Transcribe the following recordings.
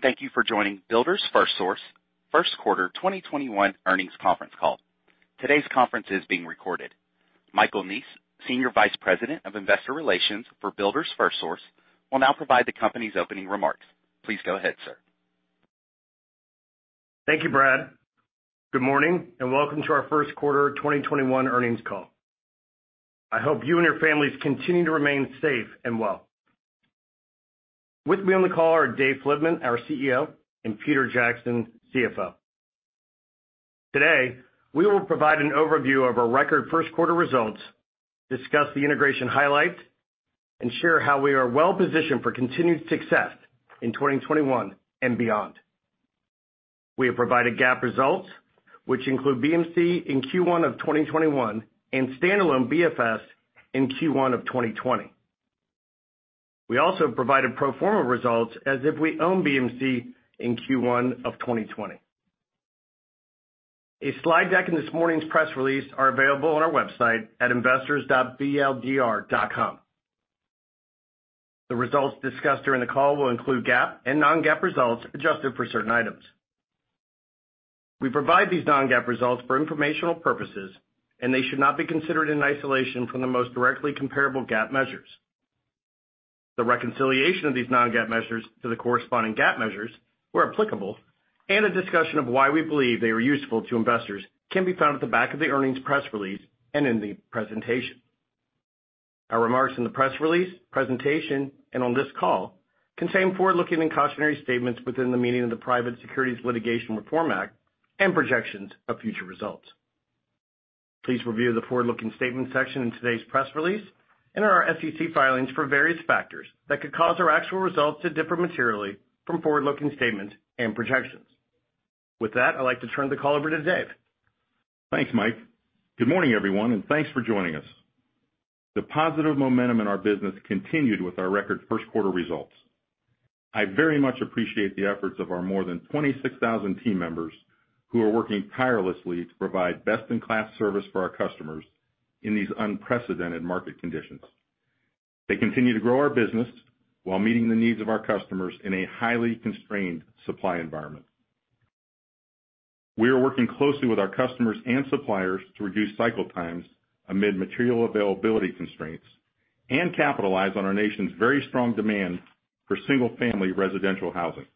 Thank you for joining Builders FirstSource First Quarter 2021 Earnings Conference Call. Today's conference is being recorded. Michael Neese, Senior Vice President of Investor Relations for Builders FirstSource, will now provide the company's opening remarks. Please go ahead, sir. Thank you, Brad. Good morning, and welcome to our first quarter 2021 earnings call. I hope you and your families continue to remain safe and well. With me on the call are Dave Flitman, our CEO, and Peter Jackson, CFO. Today, we will provide an overview of our record first quarter results, discuss the integration highlights, and share how we are well-positioned for continued success in 2021 and beyond. We have provided GAAP results, which include BMC in Q1 of 2021 and standalone BFS in Q1 of 2020. We also provided pro forma results as if we own BMC in Q1 of 2020. A slide deck in this morning's press release are available on our website at investors.bldr.com. The results discussed during the call will include GAAP and non-GAAP results adjusted for certain items. We provide these non-GAAP results for informational purposes, and they should not be considered in isolation from the most directly comparable GAAP measures. The reconciliation of these non-GAAP measures to the corresponding GAAP measures, where applicable, and a discussion of why we believe they are useful to investors can be found at the back of the earnings press release and in the presentation. Our remarks in the press release, presentation, and on this call contain forward-looking and cautionary statements within the meaning of the Private Securities Litigation Reform Act and projections of future results. Please review the forward-looking statements section in today's press release and our SEC filings for various factors that could cause our actual results to differ materially from forward-looking statements and projections. With that, I'd like to turn the call over to Dave. Thanks Mike. Good morning, everyone, and thanks for joining us. The positive momentum in our business continued with our record first quarter results. I very much appreciate the efforts of our more than 26,000 team members who are working tirelessly to provide best-in-class service for our customers in these unprecedented market conditions. They continue to grow our business while meeting the needs of our customers in a highly constrained supply environment. We are working closely with our customers and suppliers to reduce cycle times amid material availability constraints and capitalize on our nation's very strong demand for single-family residential housing.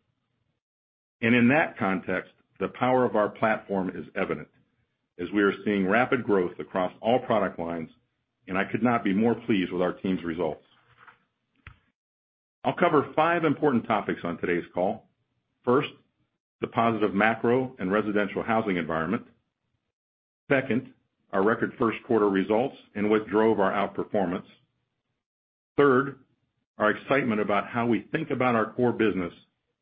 In that context, the power of our platform is evident as we are seeing rapid growth across all product lines, and I could not be more pleased with our team's results. I'll cover five important topics on today's call. First, the positive macro and residential housing environment. Second, our record first quarter results and what drove our outperformance. Third, our excitement about how we think about our core business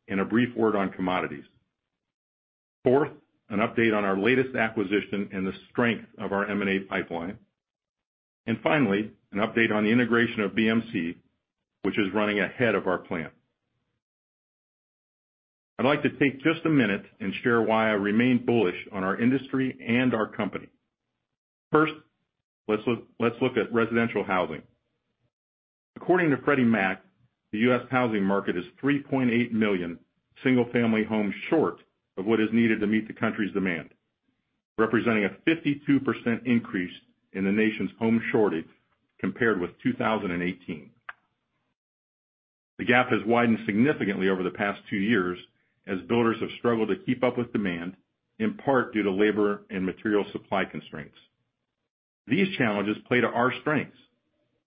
and a brief word on commodities. Fourth, an update on our latest acquisition and the strength of our M&A pipeline. Finally, an update on the integration of BMC, which is running ahead of our plan. I'd like to take just a minute and share why I remain bullish on our industry and our company. First, let's look at residential housing. According to Freddie Mac, the U.S. housing market is 3.8 million single-family homes short of what is needed to meet the country's demand, representing a 52% increase in the nation's home shortage compared with 2018. The gap has widened significantly over the past two years as builders have struggled to keep up with demand, in part due to labor and material supply constraints. These challenges play to our strengths,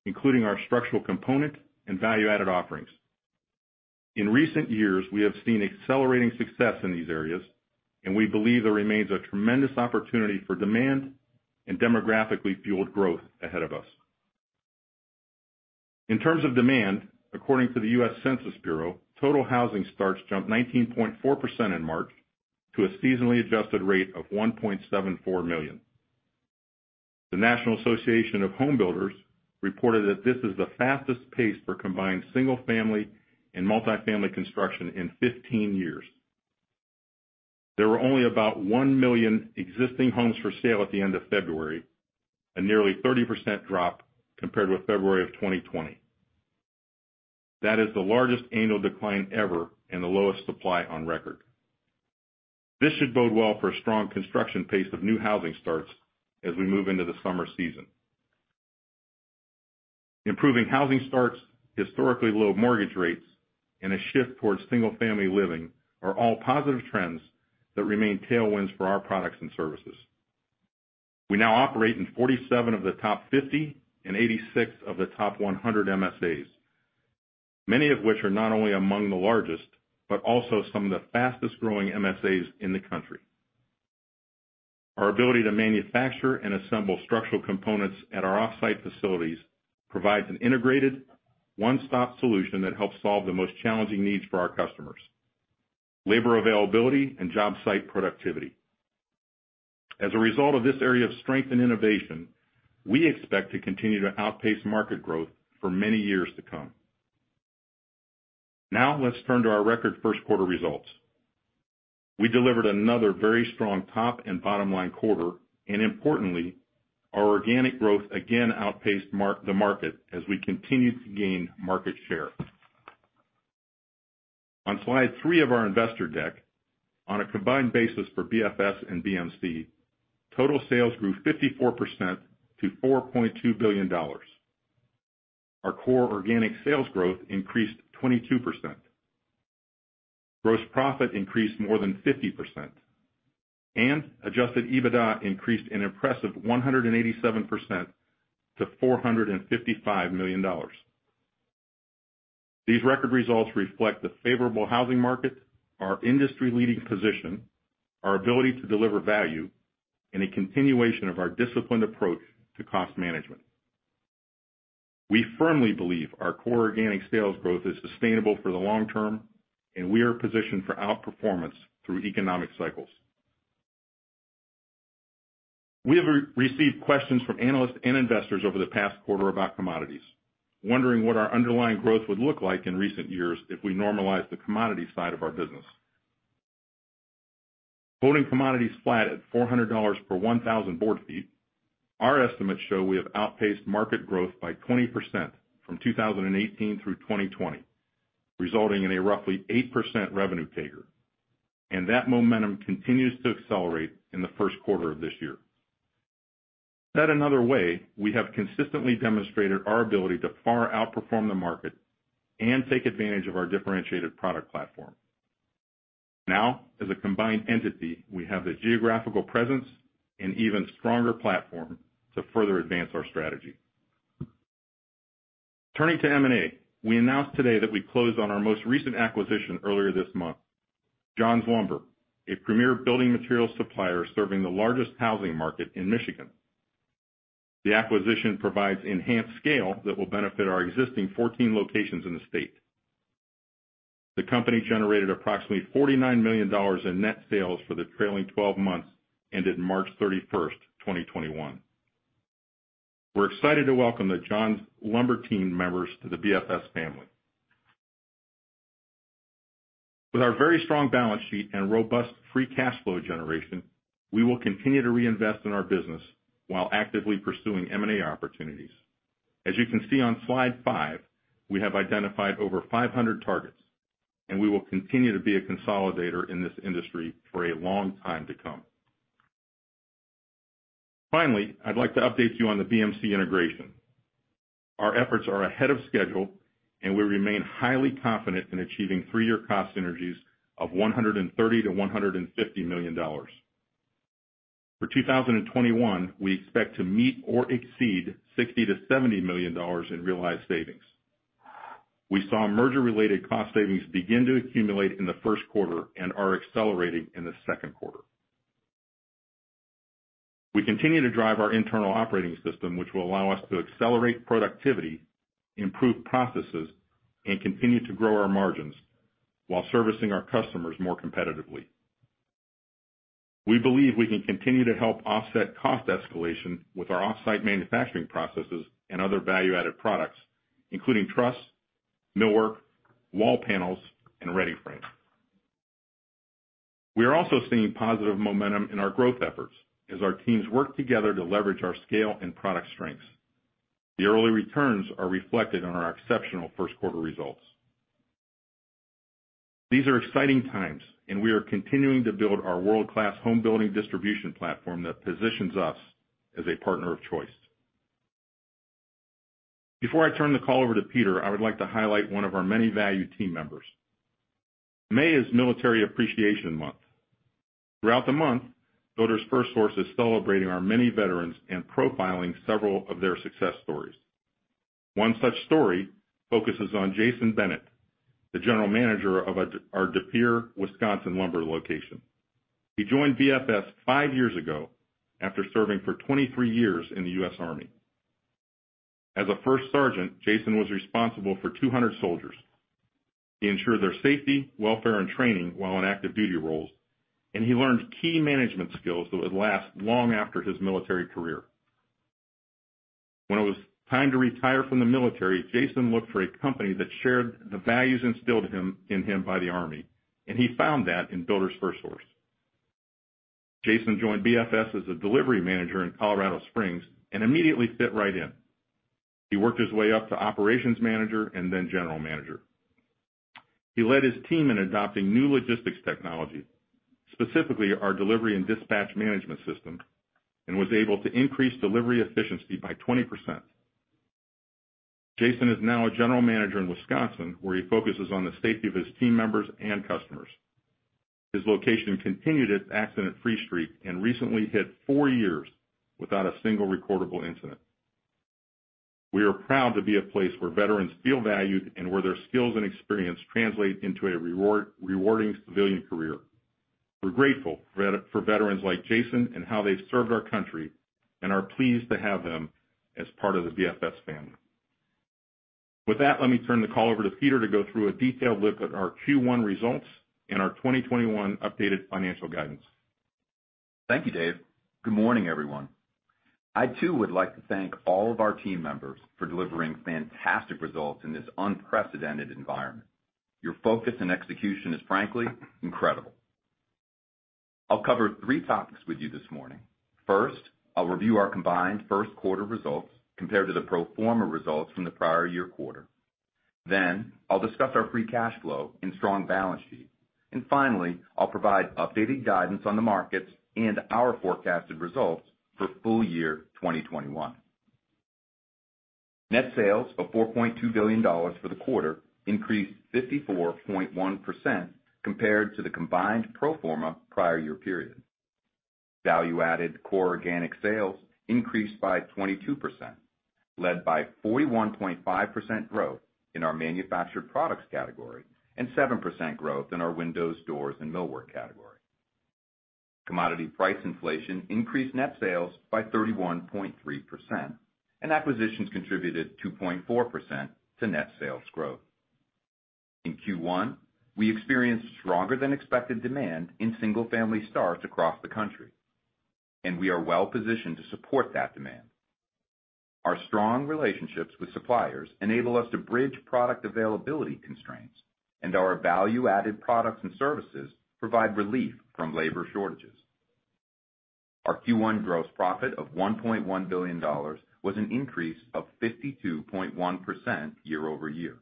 including our structural component and value-added offerings. In recent years, we have seen accelerating success in these areas, and we believe there remains a tremendous opportunity for demand and demographically fueled growth ahead of us. In terms of demand, according to the U.S. Census Bureau, total housing starts jumped 19.4% in March to a seasonally adjusted rate of 1.74 million. The National Association of Home Builders reported that this is the fastest pace for combined single-family and multifamily construction in 15 years. There were only about 1 million existing homes for sale at the end of February, a nearly 30% drop compared with February of 2020. That is the largest annual decline ever and the lowest supply on record. This should bode well for a strong construction pace of new housing starts as we move into the summer season. Improving housing starts, historically low mortgage rates, and a shift towards single-family living are all positive trends that remain tailwinds for our products and services. We now operate in 47 of the top 50 and 86 of the top 100 MSAs, many of which are not only among the largest, but also some of the fastest-growing MSAs in the country. Our ability to manufacture and assemble structural components at our off-site facilities provides an integrated one-stop solution that helps solve the most challenging needs for our customers, labor availability, and job site productivity. As a result of this area of strength and innovation, we expect to continue to outpace market growth for many years to come. Now let's turn to our record first quarter results. We delivered another very strong top and bottom-line quarter, and importantly, our organic growth again outpaced the market as we continue to gain market share. On slide three of our investor deck, on a combined basis for BFS and BMC, total sales grew 54% to $4.2 billion. Our core organic sales growth increased 22%. Gross profit increased more than 50%, and adjusted EBITDA increased an impressive 187% to $455 million. These record results reflect the favorable housing market, our industry-leading position, our ability to deliver value, and a continuation of our disciplined approach to cost management. We firmly believe our core organic sales growth is sustainable for the long term, and we are positioned for outperformance through economic cycles. We have received questions from analysts and investors over the past quarter about commodities, wondering what our underlying growth would look like in recent years if we normalize the commodity side of our business. Holding commodities flat at $400 per 1,000 board feet, our estimates show we have outpaced market growth by 20% from 2018 through 2020, resulting in a roughly 8% revenue taker. That momentum continues to accelerate in the first quarter of this year. Said another way, we have consistently demonstrated our ability to far outperform the market and take advantage of our differentiated product platform. As a combined entity, we have the geographical presence and even stronger platform to further advance our strategy. Turning to M&A. We announced today that we closed on our most recent acquisition earlier this month, Johns Lumber, a premier building materials supplier serving the largest housing market in Michigan. The acquisition provides enhanced scale that will benefit our existing 14 locations in the state. The company generated approximately $49 million in net sales for the trailing 12 months, ended March 31st, 2021. We're excited to welcome the John's Lumber team members to the BFS family. With our very strong balance sheet and robust free cash flow generation, we will continue to reinvest in our business while actively pursuing M&A opportunities. As you can see on slide five, we have identified over 500 targets, and we will continue to be a consolidator in this industry for a long time to come. Finally, I'd like to update you on the BMC integration. Our efforts are ahead of schedule, and we remain highly confident in achieving three-year cost synergies of $130 million-$150 million. For 2021, we expect to meet or exceed $60 million-$70 million in realized savings. We saw merger-related cost savings begin to accumulate in the first quarter and are accelerating in the second quarter. We continue to drive our internal operating system, which will allow us to accelerate productivity, improve processes, and continue to grow our margins while servicing our customers more competitively. We believe we can continue to help offset cost escalation with our off-site manufacturing processes and other value-added products, including truss, millwork, wall panels, and READY-FRAME. We are also seeing positive momentum in our growth efforts as our teams work together to leverage our scale and product strengths. The early returns are reflected on our exceptional first-quarter results. These are exciting times, and we are continuing to build our world-class home building distribution platform that positions us as a partner of choice. Before I turn the call over to Peter, I would like to highlight one of our many valued team members. May is Military Appreciation Month. Throughout the month, Builders FirstSource is celebrating our many veterans and profiling several of their success stories. One such story focuses on Jason Bennett, the General Manager of our De Pere, Wisconsin lumber location. He joined BFS five years ago after serving for 23 years in the U.S. Army. As a First Sergeant, Jason was responsible for 200 soldiers. He ensured their safety, welfare, and training while on active duty roles, and he learned key management skills that would last long after his military career. When it was time to retire from the military, Jason looked for a company that shared the values instilled in him by the Army, and he found that in Builders FirstSource. Jason joined BFS as a delivery manager in Colorado Springs and immediately fit right in. He worked his way up to operations manager and then general manager. He led his team in adopting new logistics technology, specifically our delivery and dispatch management system, and was able to increase delivery efficiency by 20%. Jason is now a general manager in Wisconsin, where he focuses on the safety of his team members and customers. His location continued its accident-free streak and recently hit four years without a single recordable incident. We are proud to be a place where veterans feel valued and where their skills and experience translate into a rewarding civilian career. We're grateful for veterans like Jason and how they've served our country and are pleased to have them as part of the BFS family. With that, let me turn the call over to Peter to go through a detailed look at our Q1 results and our 2021 updated financial guidance. Thank you, Dave. Good morning, everyone. I, too, would like to thank all of our team members for delivering fantastic results in this unprecedented environment. Your focus and execution is frankly incredible. I'll cover three topics with you this morning. First, I'll review our combined first quarter results compared to the pro forma results from the prior year quarter. I'll discuss our free cash flow and strong balance sheet. Finally, I'll provide updated guidance on the markets and our forecasted results for full year 2021. Net sales of $4.2 billion for the quarter increased 54.1% compared to the combined pro forma prior year period. Value-added core organic sales increased by 22%, led by 41.5% growth in our manufactured products category and 7% growth in our windows, doors, and millwork category. Commodity price inflation increased net sales by 31.3%, and acquisitions contributed 2.4% to net sales growth. In Q1, we experienced stronger than expected demand in single-family starts across the country, and we are well-positioned to support that demand. Our strong relationships with suppliers enable us to bridge product availability constraints, and our value-added products and services provide relief from labor shortages. Our Q1 gross profit of $1.1 billion was an increase of 52.1% year-over-year.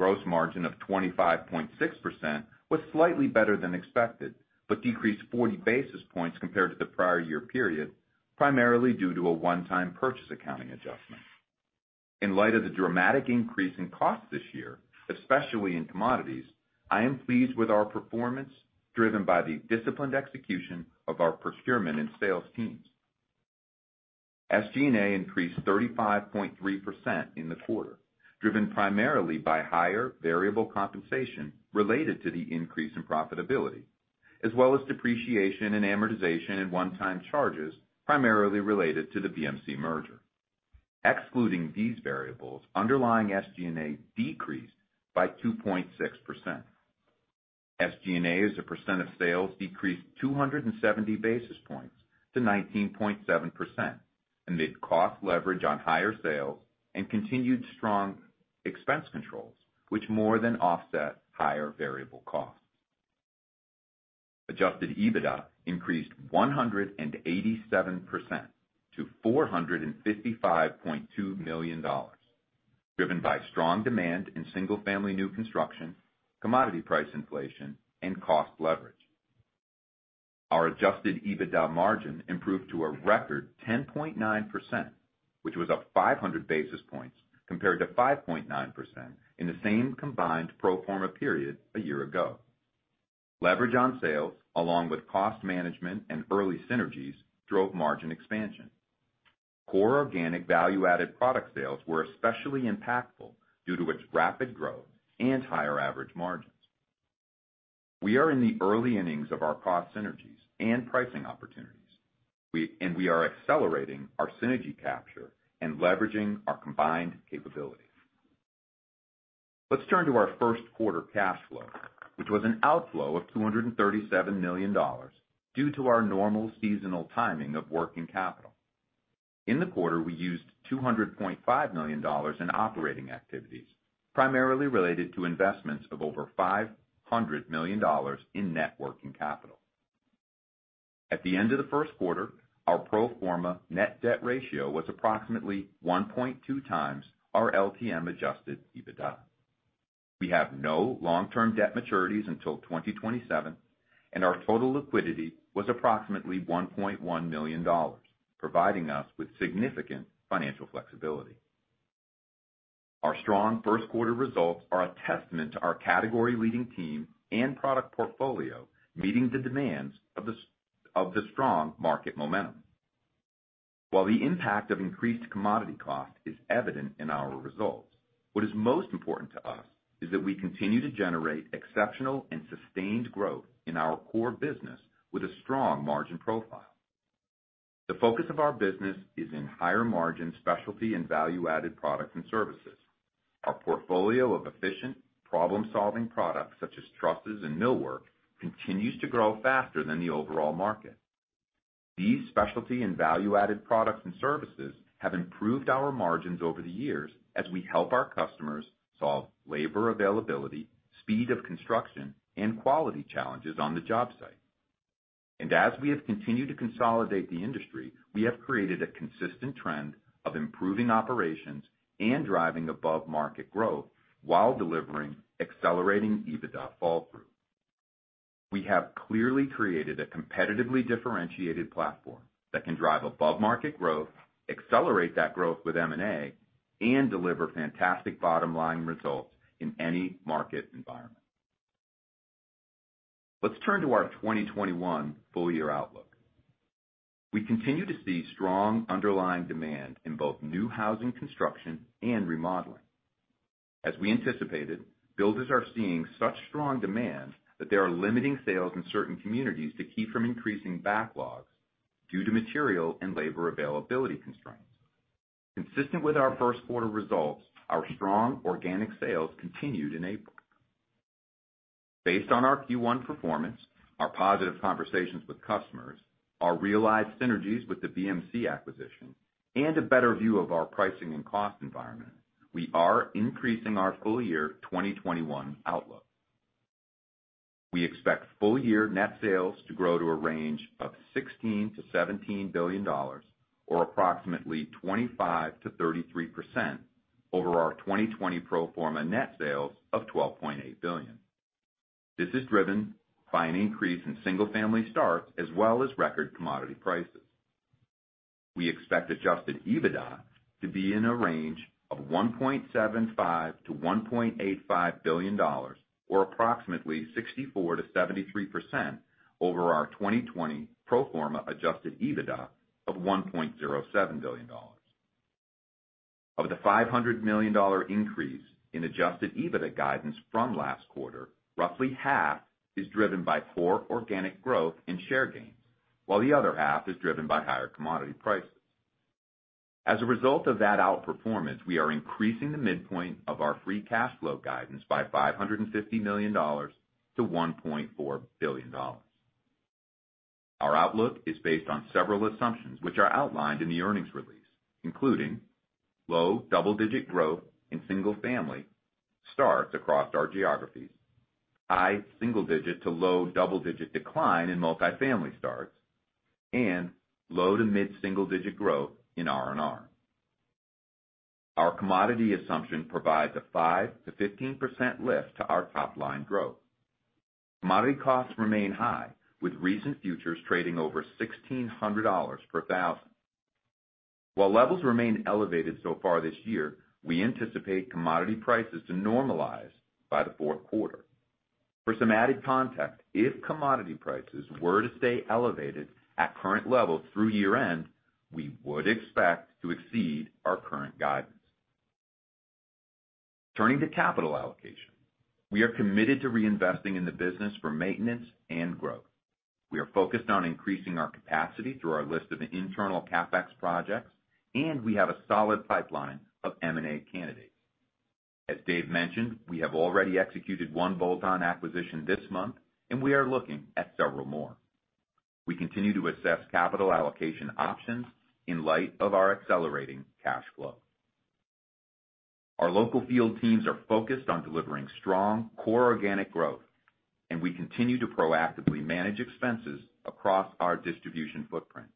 Gross margin of 25.6% was slightly better than expected, but decreased 40 basis points compared to the prior year period, primarily due to a one-time purchase accounting adjustment. In light of the dramatic increase in cost this year, especially in commodities, I am pleased with our performance, driven by the disciplined execution of our procurement and sales teams. SG&A increased 35.3% in the quarter, driven primarily by higher variable compensation related to the increase in profitability, as well as depreciation and amortization in one-time charges, primarily related to the BMC merger. Excluding these variables, underlying SG&A decreased by 2.6%. SG&A as a percent of sales decreased 270 basis points to 19.7%, amid cost leverage on higher sales and continued strong expense controls, which more than offset higher variable costs. Adjusted EBITDA increased 187% to $455.2 million, driven by strong demand in single family new construction, commodity price inflation, and cost leverage. Our adjusted EBITDA margin improved to a record 10.9%, which was up 500 basis points compared to 5.9% in the same combined pro forma period a year ago. Leverage on sales, along with cost management and early synergies, drove margin expansion. Core organic value-added product sales were especially impactful due to its rapid growth and higher average margins. We are in the early innings of our cost synergies and pricing opportunities. We are accelerating our synergy capture and leveraging our combined capabilities. Let's turn to our first quarter cash flow, which was an outflow of $237 million due to our normal seasonal timing of working capital. In the quarter, we used $200.5 million in operating activities, primarily related to investments of over $500 million in net working capital. At the end of the first quarter, our pro forma net debt ratio was approximately 1.2x our LTM adjusted EBITDA. We have no long-term debt maturities until 2027, and our total liquidity was approximately $1.1 million, providing us with significant financial flexibility. Our strong first quarter results are a testament to our category-leading team and product portfolio, meeting the demands of the strong market momentum. While the impact of increased commodity cost is evident in our results, what is most important to us is that we continue to generate exceptional and sustained growth in our core business with a strong margin profile. The focus of our business is in higher margin specialty and value-added products and services. Our portfolio of efficient problem-solving products, such as trusses and millwork, continues to grow faster than the overall market. These specialty and value-added products and services have improved our margins over the years as we help our customers solve labor availability, speed of construction, and quality challenges on the job site. As we have continued to consolidate the industry, we have created a consistent trend of improving operations and driving above-market growth while delivering accelerating EBITDA fall through. We have clearly created a competitively differentiated platform that can drive above-market growth, accelerate that growth with M&A, and deliver fantastic bottom-line results in any market environment. Let's turn to our 2021 full year outlook. We continue to see strong underlying demand in both new housing construction and remodeling. As we anticipated, builders are seeing such strong demand that they are limiting sales in certain communities to keep from increasing backlogs due to material and labor availability constraints. Consistent with our first quarter results, our strong organic sales continued in April. Based on our Q1 performance, our positive conversations with customers, our realized synergies with the BMC acquisition, and a better view of our pricing and cost environment, we are increasing our full-year 2021 outlook. We expect full-year net sales to grow to a range of $16 billion-$17 billion, or approximately 25%-33% over our 2020 pro forma net sales of $12.8 billion. This is driven by an increase in single-family starts as well as record commodity prices. We expect adjusted EBITDA to be in a range of $1.75 billion-$1.85 billion, or approximately 64%-73% over our 2020 pro forma adjusted EBITDA of $1.07 billion. Of the $500 million increase in adjusted EBITDA guidance from last quarter, roughly half is driven by core organic growth in share gains, while the other half is driven by higher commodity prices. As a result of that outperformance, we are increasing the midpoint of our free cash flow guidance by $550 million-$1.4 billion. Our outlook is based on several assumptions which are outlined in the earnings release, including low-double-digit growth in single-family starts across our geographies, high single-digit to low-double-digit decline in multifamily starts, and low-to mid-single-digit growth in R&R. Our commodity assumption provides a 5%-15% lift to our top-line growth. Commodity costs remain high, with recent futures trading over $1,600 per thousand. While levels remain elevated so far this year, we anticipate commodity prices to normalize by the fourth quarter. For some added context, if commodity prices were to stay elevated at current levels through year-end, we would expect to exceed our current guidance. Turning to capital allocation. We are committed to reinvesting in the business for maintenance and growth. We are focused on increasing our capacity through our list of internal CapEx projects, and we have a solid pipeline of M&A candidates. As Dave mentioned, we have already executed one bolt-on acquisition this month, and we are looking at several more. We continue to assess capital allocation options in light of our accelerating cash flow. Our local field teams are focused on delivering strong core organic growth, and we continue to proactively manage expenses across our distribution footprint.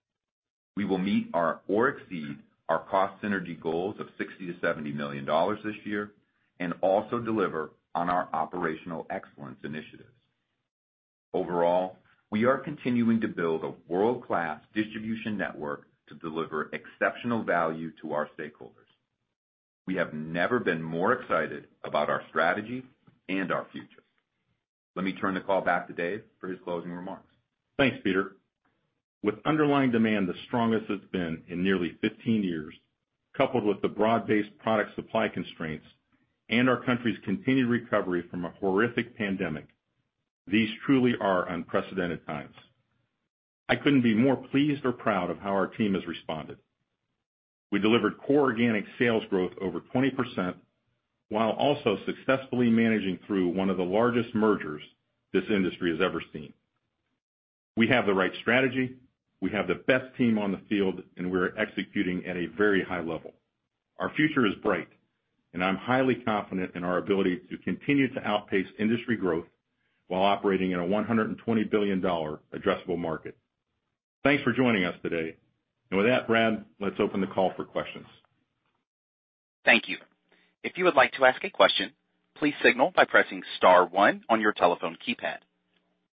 We will meet or exceed our cost synergy goals of $60 million-$70 million this year and also deliver on our operational excellence initiatives. Overall, we are continuing to build a world-class distribution network to deliver exceptional value to our stakeholders. We have never been more excited about our strategy and our future. Let me turn the call back to Dave for his closing remarks. Thanks, Peter. With underlying demand the strongest it's been in nearly 15 years, coupled with the broad-based product supply constraints and our country's continued recovery from a horrific pandemic, these truly are unprecedented times. I couldn't be more pleased or proud of how our team has responded. We delivered core organic sales growth over 20% while also successfully managing through one of the largest mergers this industry has ever seen. We have the right strategy, we have the best team on the field, and we're executing at a very high level. Our future is bright, and I'm highly confident in our ability to continue to outpace industry growth while operating in a $120 billion addressable market. Thanks for joining us today. With that, Brad, let's open the call for questions. Thank you. If you would like to ask a question, please signal by pressing *1 on your telephone keypad.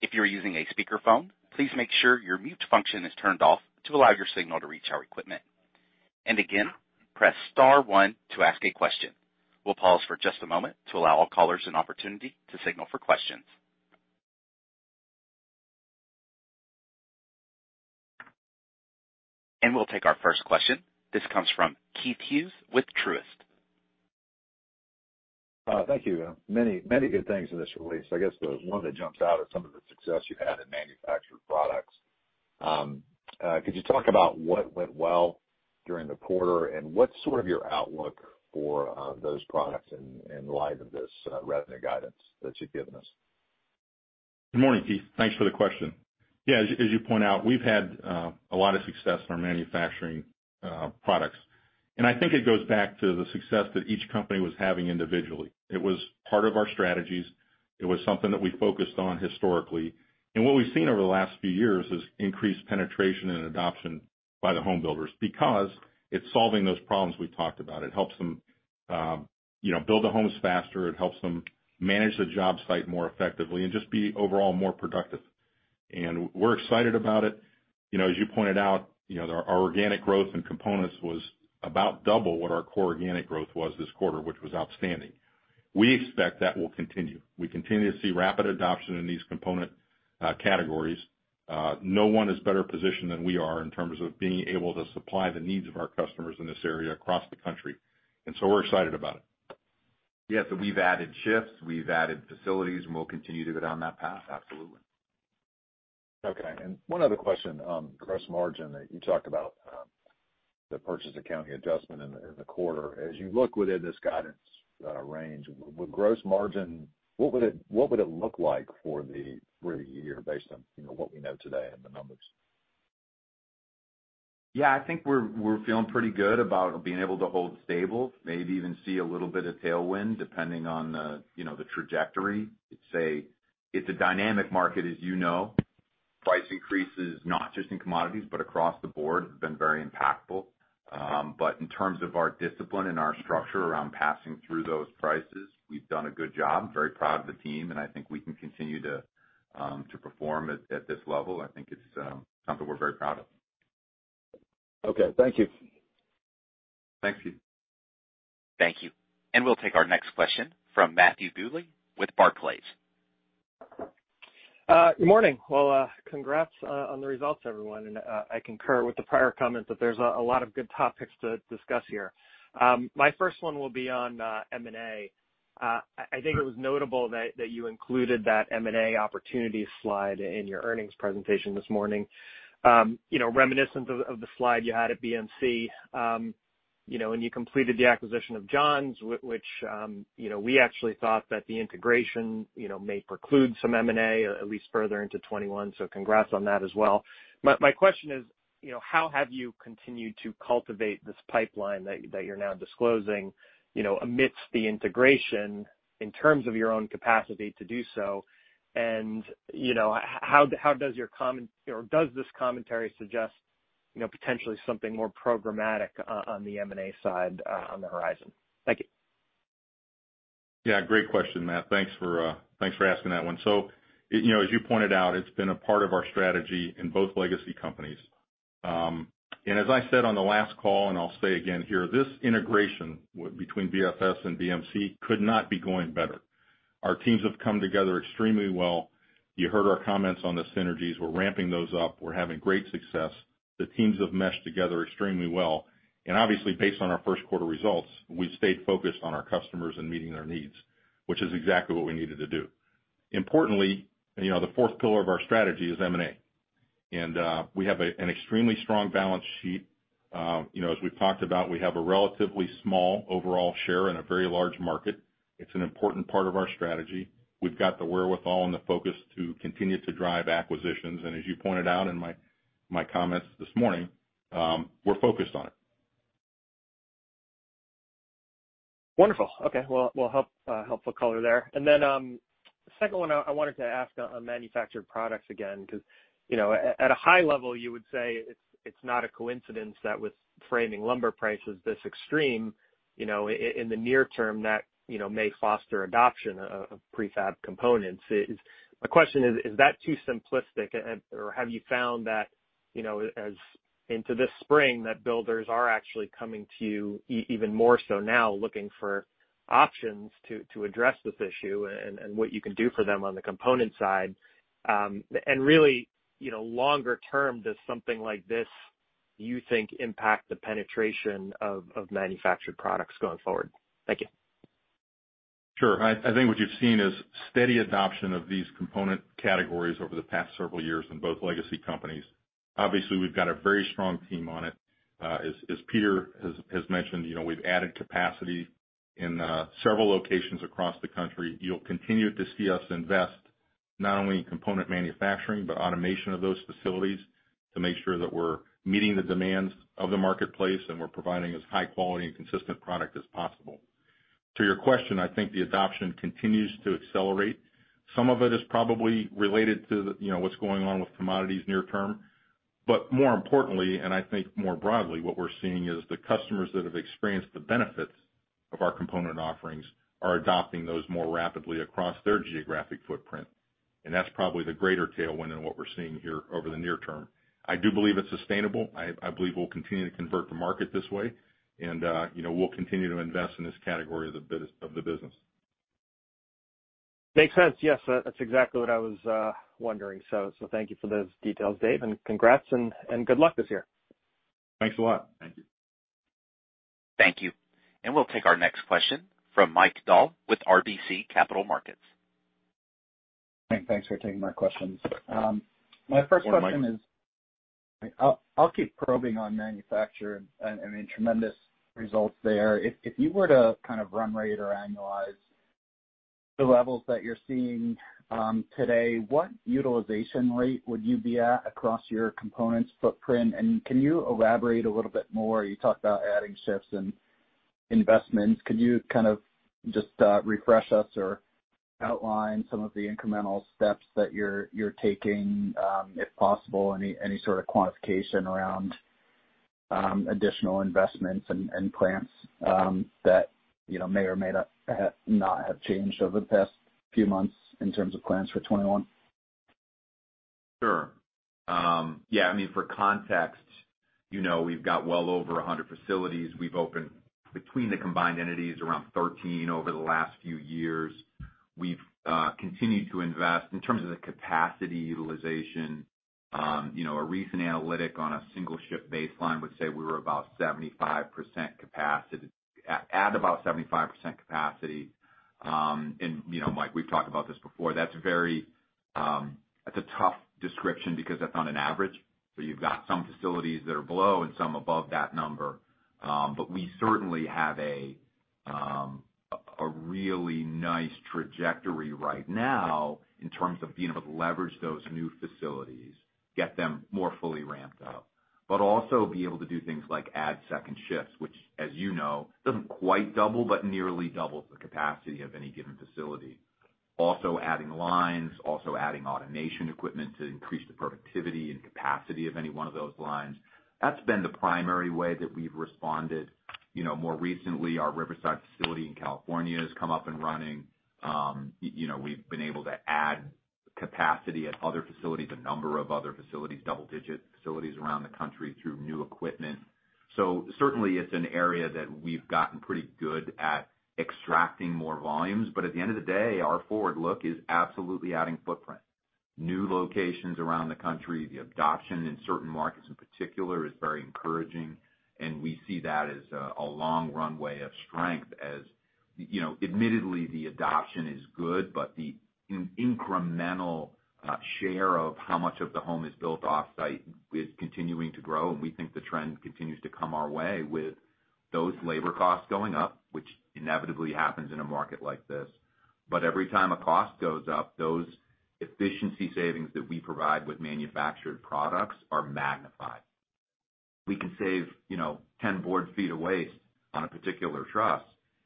If you're using a speakerphone, please make sure your mute function is turned off to allow your signal to reach our equipment. Again, press *1 to ask a question. We'll pause for just a moment to allow all callers an opportunity to signal for questions. We'll take our first question. This comes from Keith Hughes with Truist. Thank you. Many good things in this release. I guess the one that jumps out is some of the success you had in manufactured products. Could you talk about what went well during the quarter and what's sort of your outlook for those products in light of this revenue guidance that you've given us? Good morning Keith. Thanks for the question. Yeah. As you point out, we've had a lot of success in our manufacturing products, and I think it goes back to the success that each company was having individually. It was part of our strategies. It was something that we focused on historically, and what we've seen over the last few years is increased penetration and adoption by the home builders because it's solving those problems we talked about. It helps them build the homes faster. It helps them manage the job site more effectively and just be overall more productive. We're excited about it. As you pointed out, our organic growth in components was about double what our core organic growth was this quarter, which was outstanding. We expect that will continue. We continue to see rapid adoption in these component categories. No one is better positioned than we are in terms of being able to supply the needs of our customers in this area across the country. We're excited about it. Yeah. We've added shifts, we've added facilities, and we'll continue to go down that path. Absolutely. Okay. One other question on gross margin that you talked about, the purchase accounting adjustment in the quarter. As you look within this guidance range, with gross margin, what would it look like for the year based on what we know today and the numbers? Yeah, I think we're feeling pretty good about being able to hold stable, maybe even see a little bit of tailwind, depending on the trajectory. It's a dynamic market as you know. Price increases, not just in commodities, but across the board, have been very impactful. In terms of our discipline and our structure around passing through those prices, we've done a good job, very proud of the team, and I think we can continue to perform at this level. I think it's something we're very proud of. Okay. Thank you. Thank you. Thank you. We'll take our next question from Matthew Bouley with Barclays. Good morning. Well, congrats on the results, everyone. I concur with the prior comments that there's a lot of good topics to discuss here. My first one will be on M&A. I think it was notable that you included that M&A opportunity slide in your earnings presentation this morning. Reminiscent of the slide you had at BMC, and you completed the acquisition of John's, which we actually thought that the integration may preclude some M&A, at least further into 2021. Congrats on that as well. My question is, how have you continued to cultivate this pipeline that you're now disclosing amidst the integration in terms of your own capacity to do so? Does this commentary suggest potentially something more programmatic on the M&A side on the horizon? Thank you. Great question, Matt. Thanks for asking that one. As you pointed out, it's been a part of our strategy in both legacy companies. As I said on the last call, and I'll say again here, this integration between BFS and BMC could not be going better. Our teams have come together extremely well. You heard our comments on the synergies. We're ramping those up. We're having great success. The teams have meshed together extremely well. Obviously, based on our first quarter results, we've stayed focused on our customers and meeting their needs, which is exactly what we needed to do. Importantly, the fourth pillar of our strategy is M&A, and we have an extremely strong balance sheet. As we've talked about, we have a relatively small overall share in a very large market. It's an important part of our strategy. We've got the wherewithal and the focus to continue to drive acquisitions. As you pointed out in my comments this morning, we're focused on it. Wonderful. Okay. Well, helpful color there. Second one, I wanted to ask on manufactured products again, because at a high level, you would say it's not a coincidence that with framing lumber prices this extreme, in the near term, that may foster adoption of prefab components. My question is that too simplistic? Or have you found that into this spring, that builders are actually coming to you even more so now, looking for options to address this issue and what you can do for them on the component side? Longer term, does something like this, you think, impact the penetration of manufactured products going forward? Thank you. Sure. I think what you've seen is steady adoption of these component categories over the past several years in both legacy companies. Obviously, we've got a very strong team on it. As Peter has mentioned, we've added capacity in several locations across the country. You'll continue to see us invest not only in component manufacturing, but automation of those facilities to make sure that we're meeting the demands of the marketplace, and we're providing as high quality and consistent product as possible. To your question, I think the adoption continues to accelerate. Some of it is probably related to what's going on with commodities near term. More importantly, and I think more broadly, what we're seeing is the customers that have experienced the benefits of our component offerings are adopting those more rapidly across their geographic footprint, and that's probably the greater tailwind in what we're seeing here over the near term. I do believe it's sustainable. I believe we'll continue to convert the market this way, and we'll continue to invest in this category of the business. Makes sense. Yes. That's exactly what I was wondering. Thank you for those details, Dave, and congrats and good luck this year. Thanks a lot. Thank you. Thank you. We'll take our next question from Mike Dahl with RBC Capital Markets. Thanks for taking my questions. You're welcome. My first question is, I'll keep probing on manufacture. I mean, tremendous results there. If you were to run rate or annualize the levels that you're seeing today, what utilization rate would you be at across your components footprint? Can you elaborate a little bit more? You talked about adding shifts and investments. Could you just refresh us or outline some of the incremental steps that you're taking, if possible, any sort of quantification around additional investments and plans that may or may not have changed over the past few months in terms of plans for 2021? Sure. Yeah. For context, we've got well over 100 facilities. We've opened between the combined entities around 13 over the last few years. We've continued to invest in terms of the capacity utilization. A recent analytic on a single ship baseline would say we were at about 75% capacity. Mike, we've talked about this before. That's a tough description because that's on an average. You've got some facilities that are below and some above that number. We certainly have a really nice trajectory right now in terms of being able to leverage those new facilities, get them more fully ramped up, but also be able to do things like add second shifts, which, as you know, doesn't quite double, but nearly doubles the capacity of any given facility. Also adding lines, also adding automation equipment to increase the productivity and capacity of any one of those lines. That's been the primary way that we've responded. More recently, our Riverside facility in California has come up and running. We've been able to add capacity at other facilities, a number of other facilities, double-digit facilities around the country through new equipment. Certainly it's an area that we've gotten pretty good at extracting more volumes. At the end of the day, our forward look is absolutely adding footprint. New locations around the country. The adoption in certain markets in particular is very encouraging, and we see that as a long runway of strength. Admittedly, the adoption is good, but the incremental share of how much of the home is built offsite is continuing to grow, and we think the trend continues to come our way with those labor costs going up, which inevitably happens in a market like this. Every time a cost goes up, those efficiency savings that we provide with manufactured products are magnified. We can save 10 board feet of waste on a particular truss.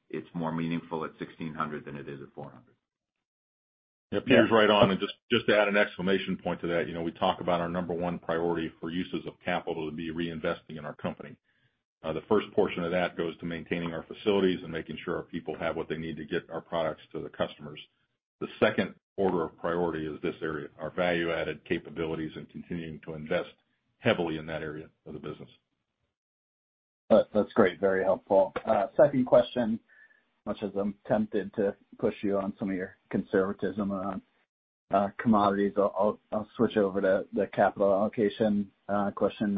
It's more meaningful at $1,600 than it is at $400. It appears right on. Just to add an exclamation point to that, we talk about our number one priority for uses of capital to be reinvesting in our company. The first portion of that goes to maintaining our facilities and making sure our people have what they need to get our products to the customers. The second order of priority is this area, our value-added capabilities, and continuing to invest heavily in that area of the business. That's great. Very helpful. Second question, much as I'm tempted to push you on some of your conservatism on commodities, I'll switch over to the capital allocation question.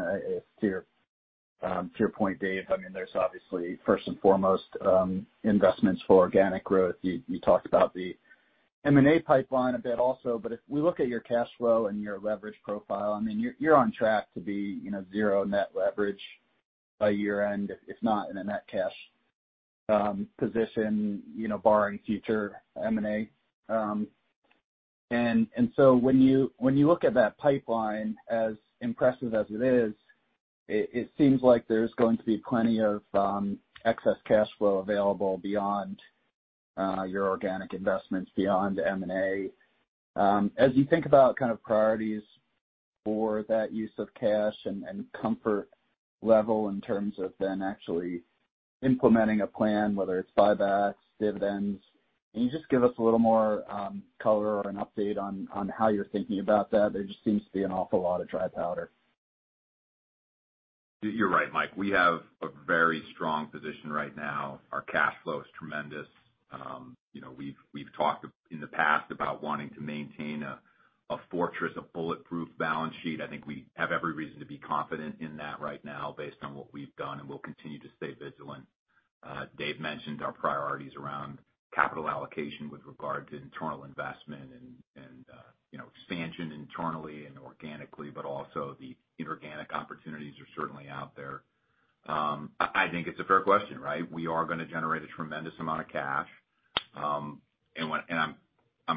To your point, Dave, there's obviously, first and foremost, investments for organic growth. You talked about the M&A pipeline a bit also, but if we look at your cash flow and your leverage profile, you're on track to be zero net leverage by year-end, if not in a net cash position, barring future M&A. When you look at that pipeline, as impressive as it is, it seems like there's going to be plenty of excess cash flow available beyond your organic investments, beyond M&A, as you think about priorities for that use of cash and comfort level in terms of then actually implementing a plan, whether it's buybacks, dividends. Can you just give us a little more color or an update on how you're thinking about that? There just seems to be an awful lot of dry powder. You're right, Mike. We have a very strong position right now. Our cash flow is tremendous. We've talked in the past about wanting to maintain a fortress, a bulletproof balance sheet. I think we have every reason to be confident in that right now based on what we've done, and we'll continue to stay vigilant. Dave mentioned our priorities around capital allocation with regard to internal investment and expansion internally and organically, but also the inorganic opportunities are certainly out there. I think it's a fair question, right? We are going to generate a tremendous amount of cash. I'm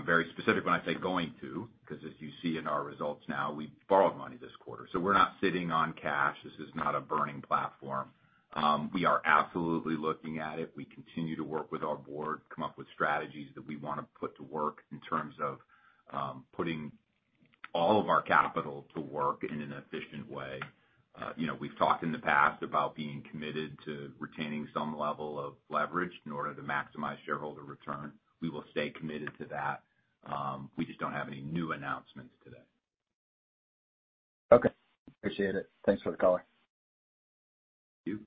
very specific when I say going to, because as you see in our results now, we borrowed money this quarter. We're not sitting on cash. This is not a burning platform. We are absolutely looking at it. We continue to work with our board, come up with strategies that we want to put to work in terms of putting all of our capital to work in an efficient way. We've talked in the past about being committed to retaining some level of leverage in order to maximize shareholder return. We will stay committed to that. We just don't have any new announcements today. Okay. Appreciate it. Thanks for the color. Thank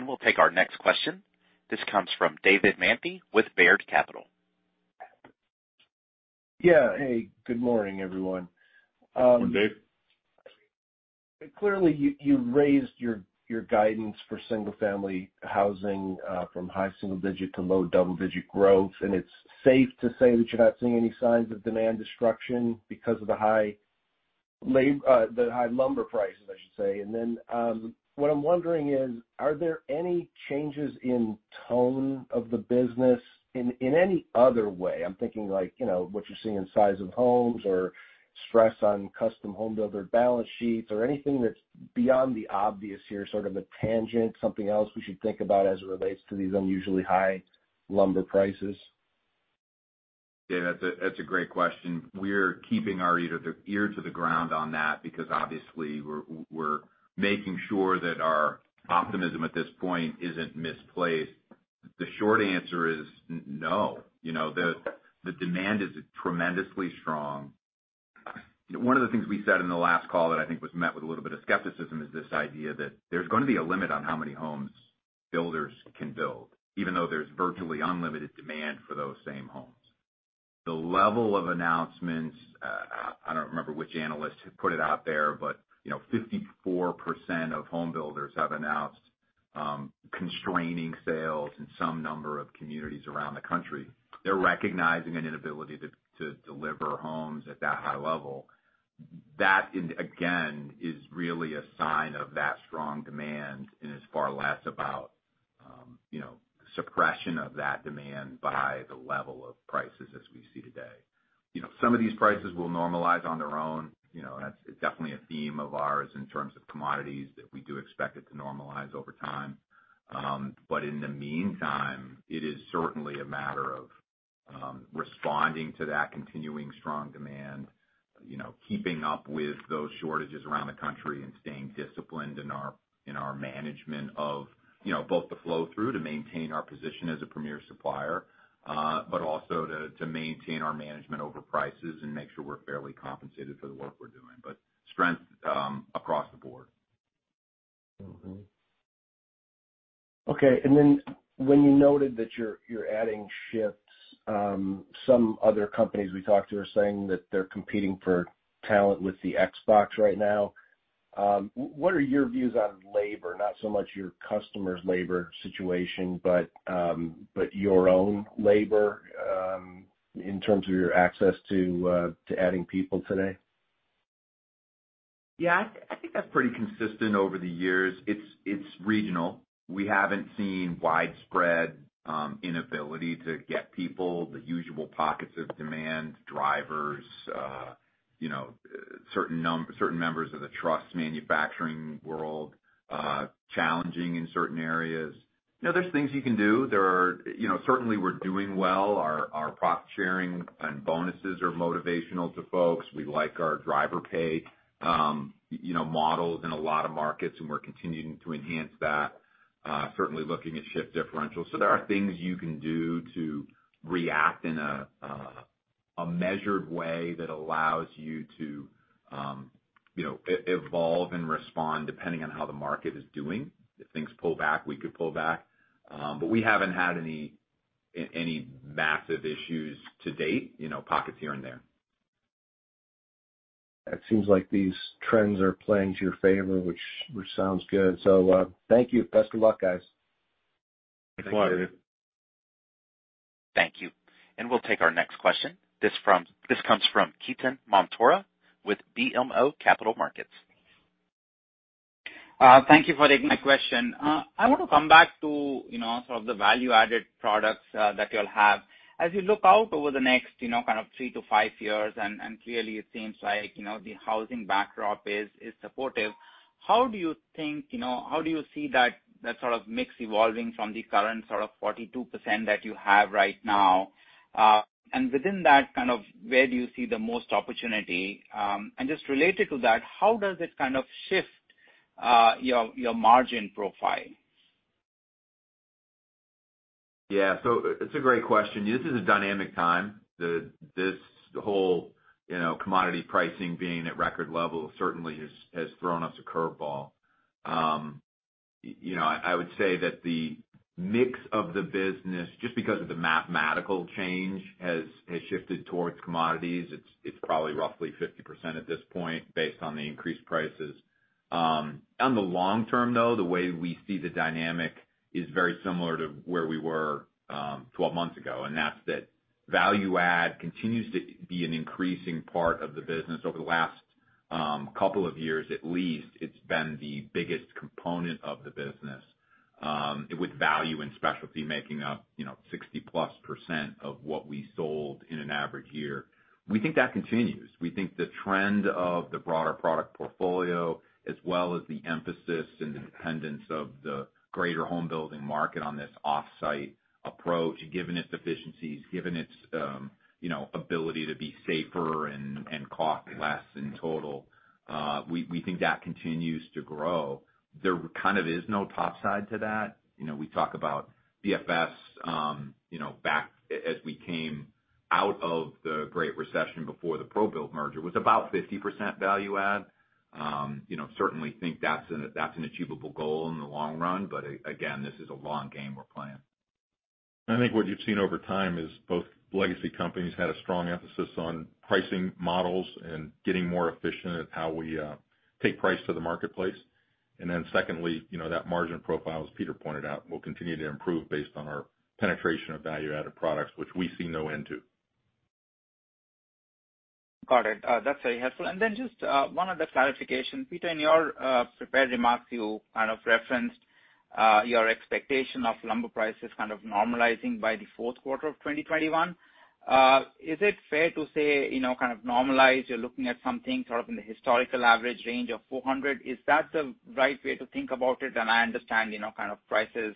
you. We'll take our next question. This comes from David Manthey with Baird Capital. Yeah. Hey, good morning, everyone. Good morning, Dave. Clearly, you raised your guidance for single-family housing from high-single-digit to low double-digit growth, and it's safe to say that you're not seeing any signs of demand destruction because of the high lumber prices, I should say. What I'm wondering is, are there any changes in tone of the business in any other way? I'm thinking like, what you're seeing in size of homes or stress on custom home builder balance sheets or anything that's beyond the obvious here, sort of a tangent, something else we should think about as it relates to these unusually high lumber prices. Yeah, that's a great question. We're keeping our ear to the ground on that because obviously we're making sure that our optimism at this point isn't misplaced. The short answer is no. The demand is tremendously strong. One of the things we said in the last call that I think was met with a little bit of skepticism is this idea that there's going to be a limit on how many homes builders can build, even though there's virtually unlimited demand for those same homes. The level of announcements, I don't remember which analyst put it out there, but 54% of home builders have announced constraining sales in some number of communities around the country. They're recognizing an inability to deliver homes at that high level. That, again, is really a sign of that strong demand and is far less about suppression of that demand by the level of prices as we see today. Some of these prices will normalize on their own. That's definitely a theme of ours in terms of commodities, that we do expect it to normalize over time. In the meantime, it is certainly a matter of responding to that continuing strong demand, keeping up with those shortages around the country, and staying disciplined in our management of both the flow-through to maintain our position as a premier supplier, but also to maintain our management over prices and make sure we're fairly compensated for the work we're doing. Strength across the board. Okay. When you noted that you're adding shifts, some other companies we talked to are saying that they're competing for talent with the Xbox right now. What are your views on labor? Not so much your customer's labor situation, but your own labor, in terms of your access to adding people today? Yeah. I think that's pretty consistent over the years. It's regional. We haven't seen widespread inability to get people. The usual pockets of demand, drivers, certain members of the truss manufacturing world challenging in certain areas. There's things you can do. Certainly, we're doing well. Our profit-sharing and bonuses are motivational to folks. We like our driver pay models in a lot of markets, and we're continuing to enhance that, certainly looking at shift differentials. There are things you can do to react in a measured way that allows you to evolve and respond depending on how the market is doing. If things pull back, we could pull back. We haven't had any massive issues to date, pockets here and there. It seems like these trends are playing to your favor, which sounds good. Thank you. Best of luck, guys. Thanks a lot. Thank you. We'll take our next question. This comes from Ketan Mamtora with BMO Capital Markets. Thank you for taking my question. I want to come back to sort of the value-added products that you all have. As you look out over the next kind of three to five years, and clearly it seems like the housing backdrop is supportive, how do you see that sort of mix evolving from the current sort of 42% that you have right now? Within that, kind of where do you see the most opportunity? Just related to that, how does it kind of shift your margin profile? It's a great question. This is a dynamic time. This whole commodity pricing being at record level certainly has thrown us a curveball. I would say that the mix of the business, just because of the mathematical change, has shifted towards commodities. It's probably roughly 50% at this point based on the increased prices. On the long term, though, the way we see the dynamic is very similar to where we were 12 months ago, that's that value add continues to be an increasing part of the business. Over the last couple of years at least, it's been the biggest component of the business, with value and specialty making up 60-plus percent of what we sold in an average year. We think that continues. We think the trend of the broader product portfolio as well as the emphasis and the dependence of the greater home building market on this off-site approach, given its efficiencies, given its ability to be safer and cost less in total, we think that continues to grow. There kind of is no top side to that. We talk about BFS, back as we came out of the Great Recession before the ProBuild merger, was about 50% value add. Certainly think that's an achievable goal in the long run. Again, this is a long game we're playing. I think what you've seen over time is both legacy companies had a strong emphasis on pricing models and getting more efficient at how we take price to the marketplace. Secondly, that margin profile, as Peter pointed out, will continue to improve based on our penetration of value-added products, which we see no end to. Got it. That's very helpful. Just one other clarification. Peter, in your prepared remarks, you kind of referenced your expectation of lumber prices kind of normalizing by the fourth quarter of 2021. Is it fair to say, kind of normalized, you're looking at something sort of in the historical average range of $400? Is that the right way to think about it? I understand prices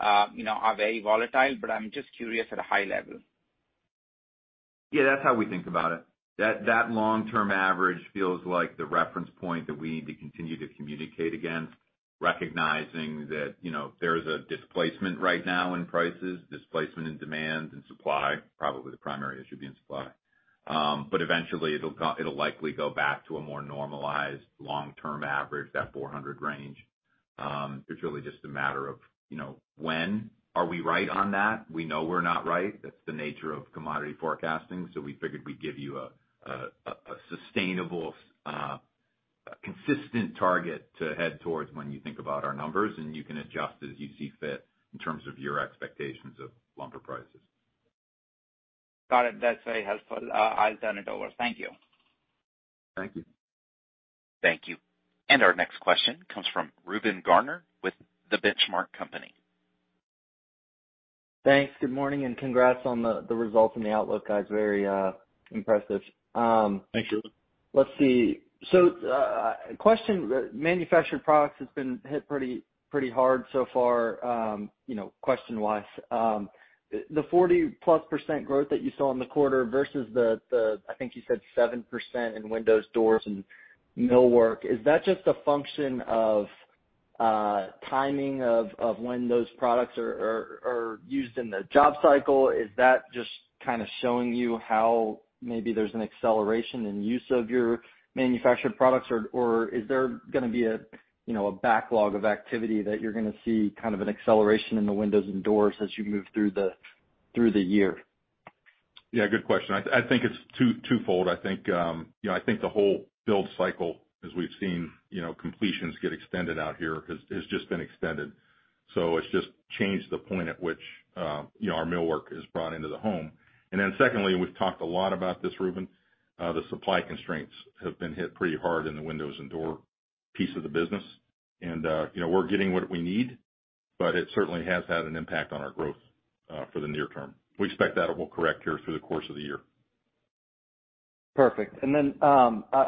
are very volatile, but I'm just curious at a high level. Yeah, that's how we think about it. That long-term average feels like the reference point that we need to continue to communicate against, recognizing that there is a displacement right now in prices, displacement in demand and supply, probably the primary issue being supply. Eventually, it'll likely go back to a more normalized long-term average, that 400 range. It's really just a matter of when. Are we right on that? We know we're not right. That's the nature of commodity forecasting, so we figured we'd give you a sustainable, consistent target to head towards when you think about our numbers, and you can adjust as you see fit in terms of your expectations of lumber prices. Got it. That's very helpful. I'll turn it over. Thank you. Thank you. Thank you. Our next question comes from Reuben Garner with The Benchmark Company. Thanks. Good morning. Congrats on the results and the outlook, guys. Very impressive. Thanks, Reuben. Let's see. Question, manufactured products has been hit pretty hard so far question-wise. The 40+% growth that you saw in the quarter versus the, I think you said 7% in windows, doors, and millwork, is that just a function of timing of when those products are used in the job cycle? Is that just kind of showing you how maybe there's an acceleration in use of your manufactured products? Is there going to be a backlog of activity that you're going to see kind of an acceleration in the windows and doors as you move through the year? Yeah, good question. I think it's twofold. I think the whole build cycle, as we've seen completions get extended out here, has just been extended. It's just changed the point at which our millwork is brought into the home. Then secondly, we've talked a lot about this, Reuben, the supply constraints have been hit pretty hard in the windows and door piece of the business. We're getting what we need, but it certainly has had an impact on our growth for the near term. We expect that it will correct here through the course of the year. Perfect. I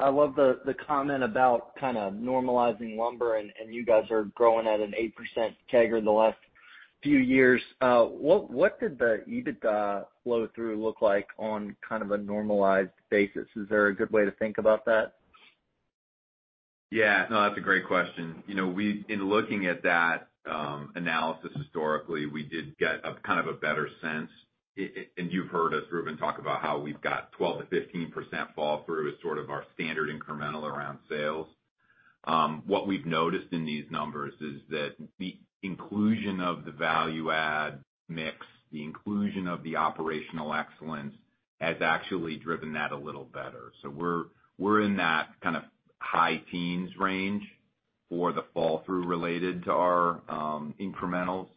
love the comment about kind of normalizing lumber, you guys are growing at an 8% CAGR the last few years. What did the EBITDA flow-through look like on kind of a normalized basis? Is there a good way to think about that? Yeah. No, that's a great question. In looking at that analysis historically, we did get kind of a better sense, and you've heard us, Reuben, talk about how we've got 12%-15% fall through as sort of our standard incremental around sales. What we've noticed in these numbers is that the inclusion of the value-added mix, the inclusion of the operational excellence, has actually driven that a little better. We're in that kind of high teens range for the fall through related to our incrementals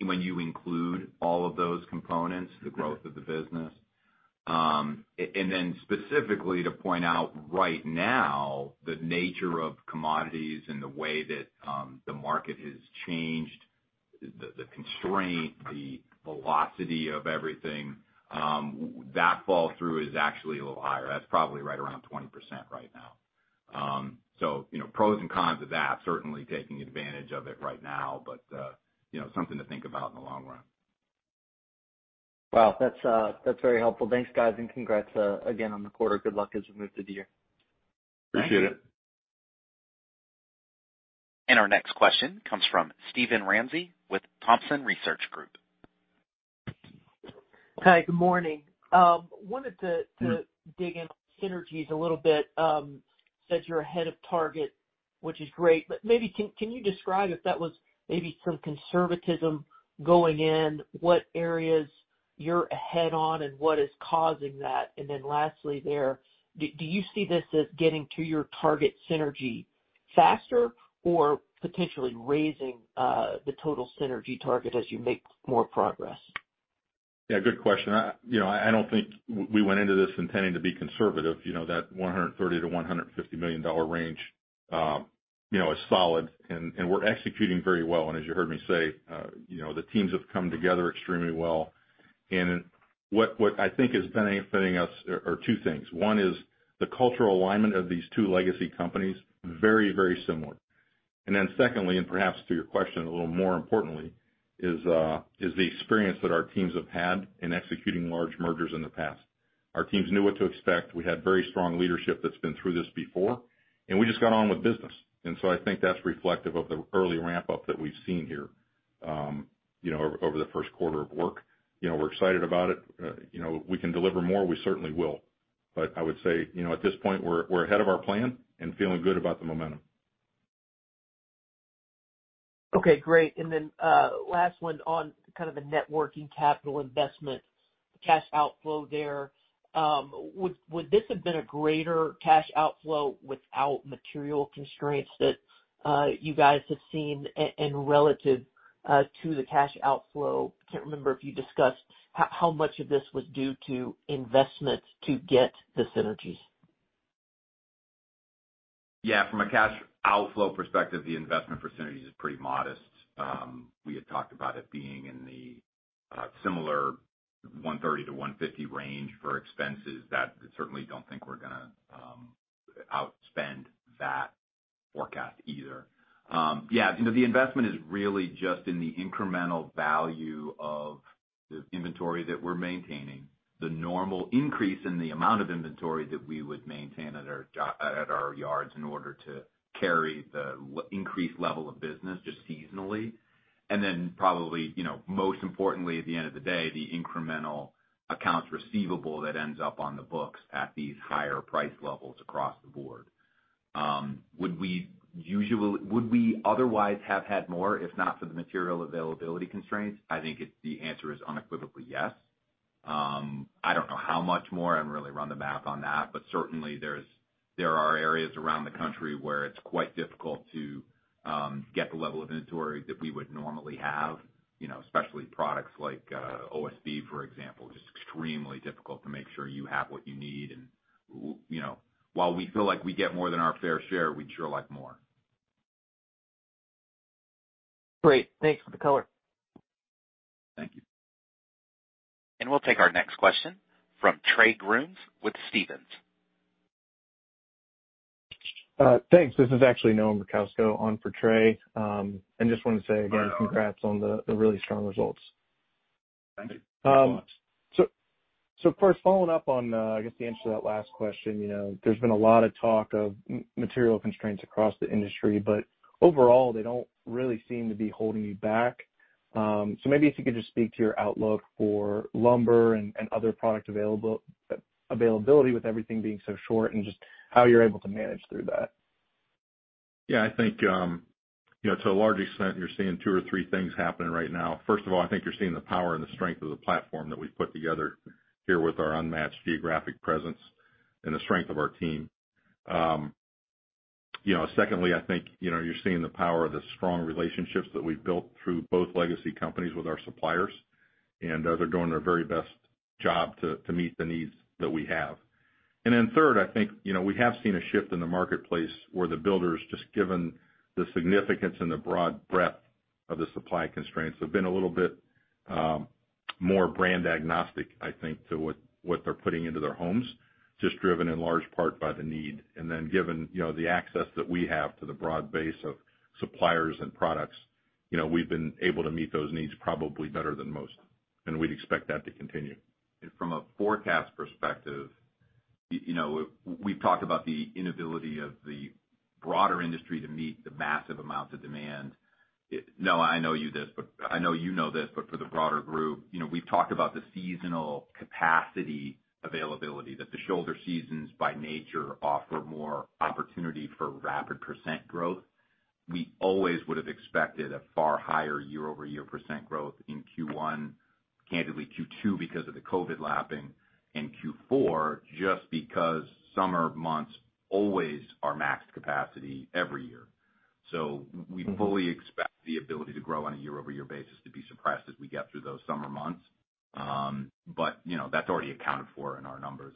when you include all of those components, the growth of the business. Specifically to point out right now, the nature of commodities and the way that the market has changed, the constraint, the velocity of everything, that fall through is actually a little higher. That's probably right around 20% right now. Pros and cons of that, certainly taking advantage of it right now, but something to think about in the long run. Wow, that's very helpful. Thanks, guys, and congrats again on the quarter. Good luck as we move through the year. Appreciate it. Our next question comes from Steven Ramsey with Thompson Research Group. Hi, good morning. I wanted to dig in on synergies a little bit. You said you're ahead of target, which is great, but maybe can you describe if that was maybe some conservatism going in, what areas you're ahead on and what is causing that? Lastly there, do you see this as getting to your target synergy faster or potentially raising the total synergy target as you make more progress? Yeah, good question. I don't think we went into this intending to be conservative. That $130 million-$150 million range is solid. We're executing very well. As you heard me say, the teams have come together extremely well. What I think is benefiting us are two things. One is the cultural alignment of these two legacy companies, very similar. Secondly, and perhaps to your question, a little more importantly, is the experience that our teams have had in executing large mergers in the past. Our teams knew what to expect. We had very strong leadership that's been through this before, and we just got on with business. I think that's reflective of the early ramp-up that we've seen here over the first quarter of work. We're excited about it. If we can deliver more, we certainly will. I would say, at this point, we're ahead of our plan and feeling good about the momentum. Okay, great. Last one on kind of the net working capital investment cash outflow there. Would this have been a greater cash outflow without material constraints that you guys have seen and relative to the cash outflow? I can't remember if you discussed how much of this was due to investments to get the synergies. From a cash outflow perspective, the investment for synergies is pretty modest. We had talked about it being in the similar $130-$150 range for expenses. That I certainly don't think we're going to outspend that forecast either. The investment is really just in the incremental value of the inventory that we're maintaining, the normal increase in the amount of inventory that we would maintain at our yards in order to carry the increased level of business just seasonally. Then probably, most importantly at the end of the day, the incremental accounts receivable that ends up on the books at these higher price levels across the board. Would we otherwise have had more, if not for the material availability constraints? I think the answer is unequivocally yes. I don't know how much more. I haven't really run the math on that, but certainly there are areas around the country where it's quite difficult to get the level of inventory that we would normally have, especially products like OSB, for example. Just extremely difficult to make sure you have what you need. While we feel like we get more than our fair share, we'd sure like more. Great. Thanks for the color. Thank you. We'll take our next question from Trey Grooms with Stephens. Thanks. This is actually Noah Merkousko on for Trey. Just wanted to say again, congrats on the really strong results. Thank you. First, following up on, I guess, the answer to that last question. There's been a lot of talk of material constraints across the industry, but overall, they don't really seem to be holding you back. Maybe if you could just speak to your outlook for lumber and other product availability, with everything being so short, and just how you're able to manage through that. Yeah, I think, to a large extent, you're seeing two or three things happening right now. First of all, I think you're seeing the power and the strength of the platform that we've put together here with our unmatched geographic presence and the strength of our team. Secondly, I think you're seeing the power of the strong relationships that we've built through both legacy companies with our suppliers. They're doing their very best job to meet the needs that we have. Third, I think, we have seen a shift in the marketplace where the builders, just given the significance and the broad breadth of the supply constraints, have been a little bit more brand-agnostic, I think, to what they're putting into their homes, just driven in large part by the need. Given the access that we have to the broad base of suppliers and products, we've been able to meet those needs probably better than most, and we'd expect that to continue. From a forecast perspective, we've talked about the inability of the broader industry to meet the massive amounts of demand. Noah, I know you know this, but for the broader group, we've talked about the seasonal capacity availability, that the shoulder seasons by nature offer more opportunity for rapid percentage growth. We always would have expected a far higher year-over-year percentage growth in Q1, candidly Q2 because of the COVID lapping, and Q4 just because summer months always are maxed capacity every year. We fully expect the ability to grow on a year-over-year basis to be suppressed as we get through those summer months. That's already accounted for in our numbers.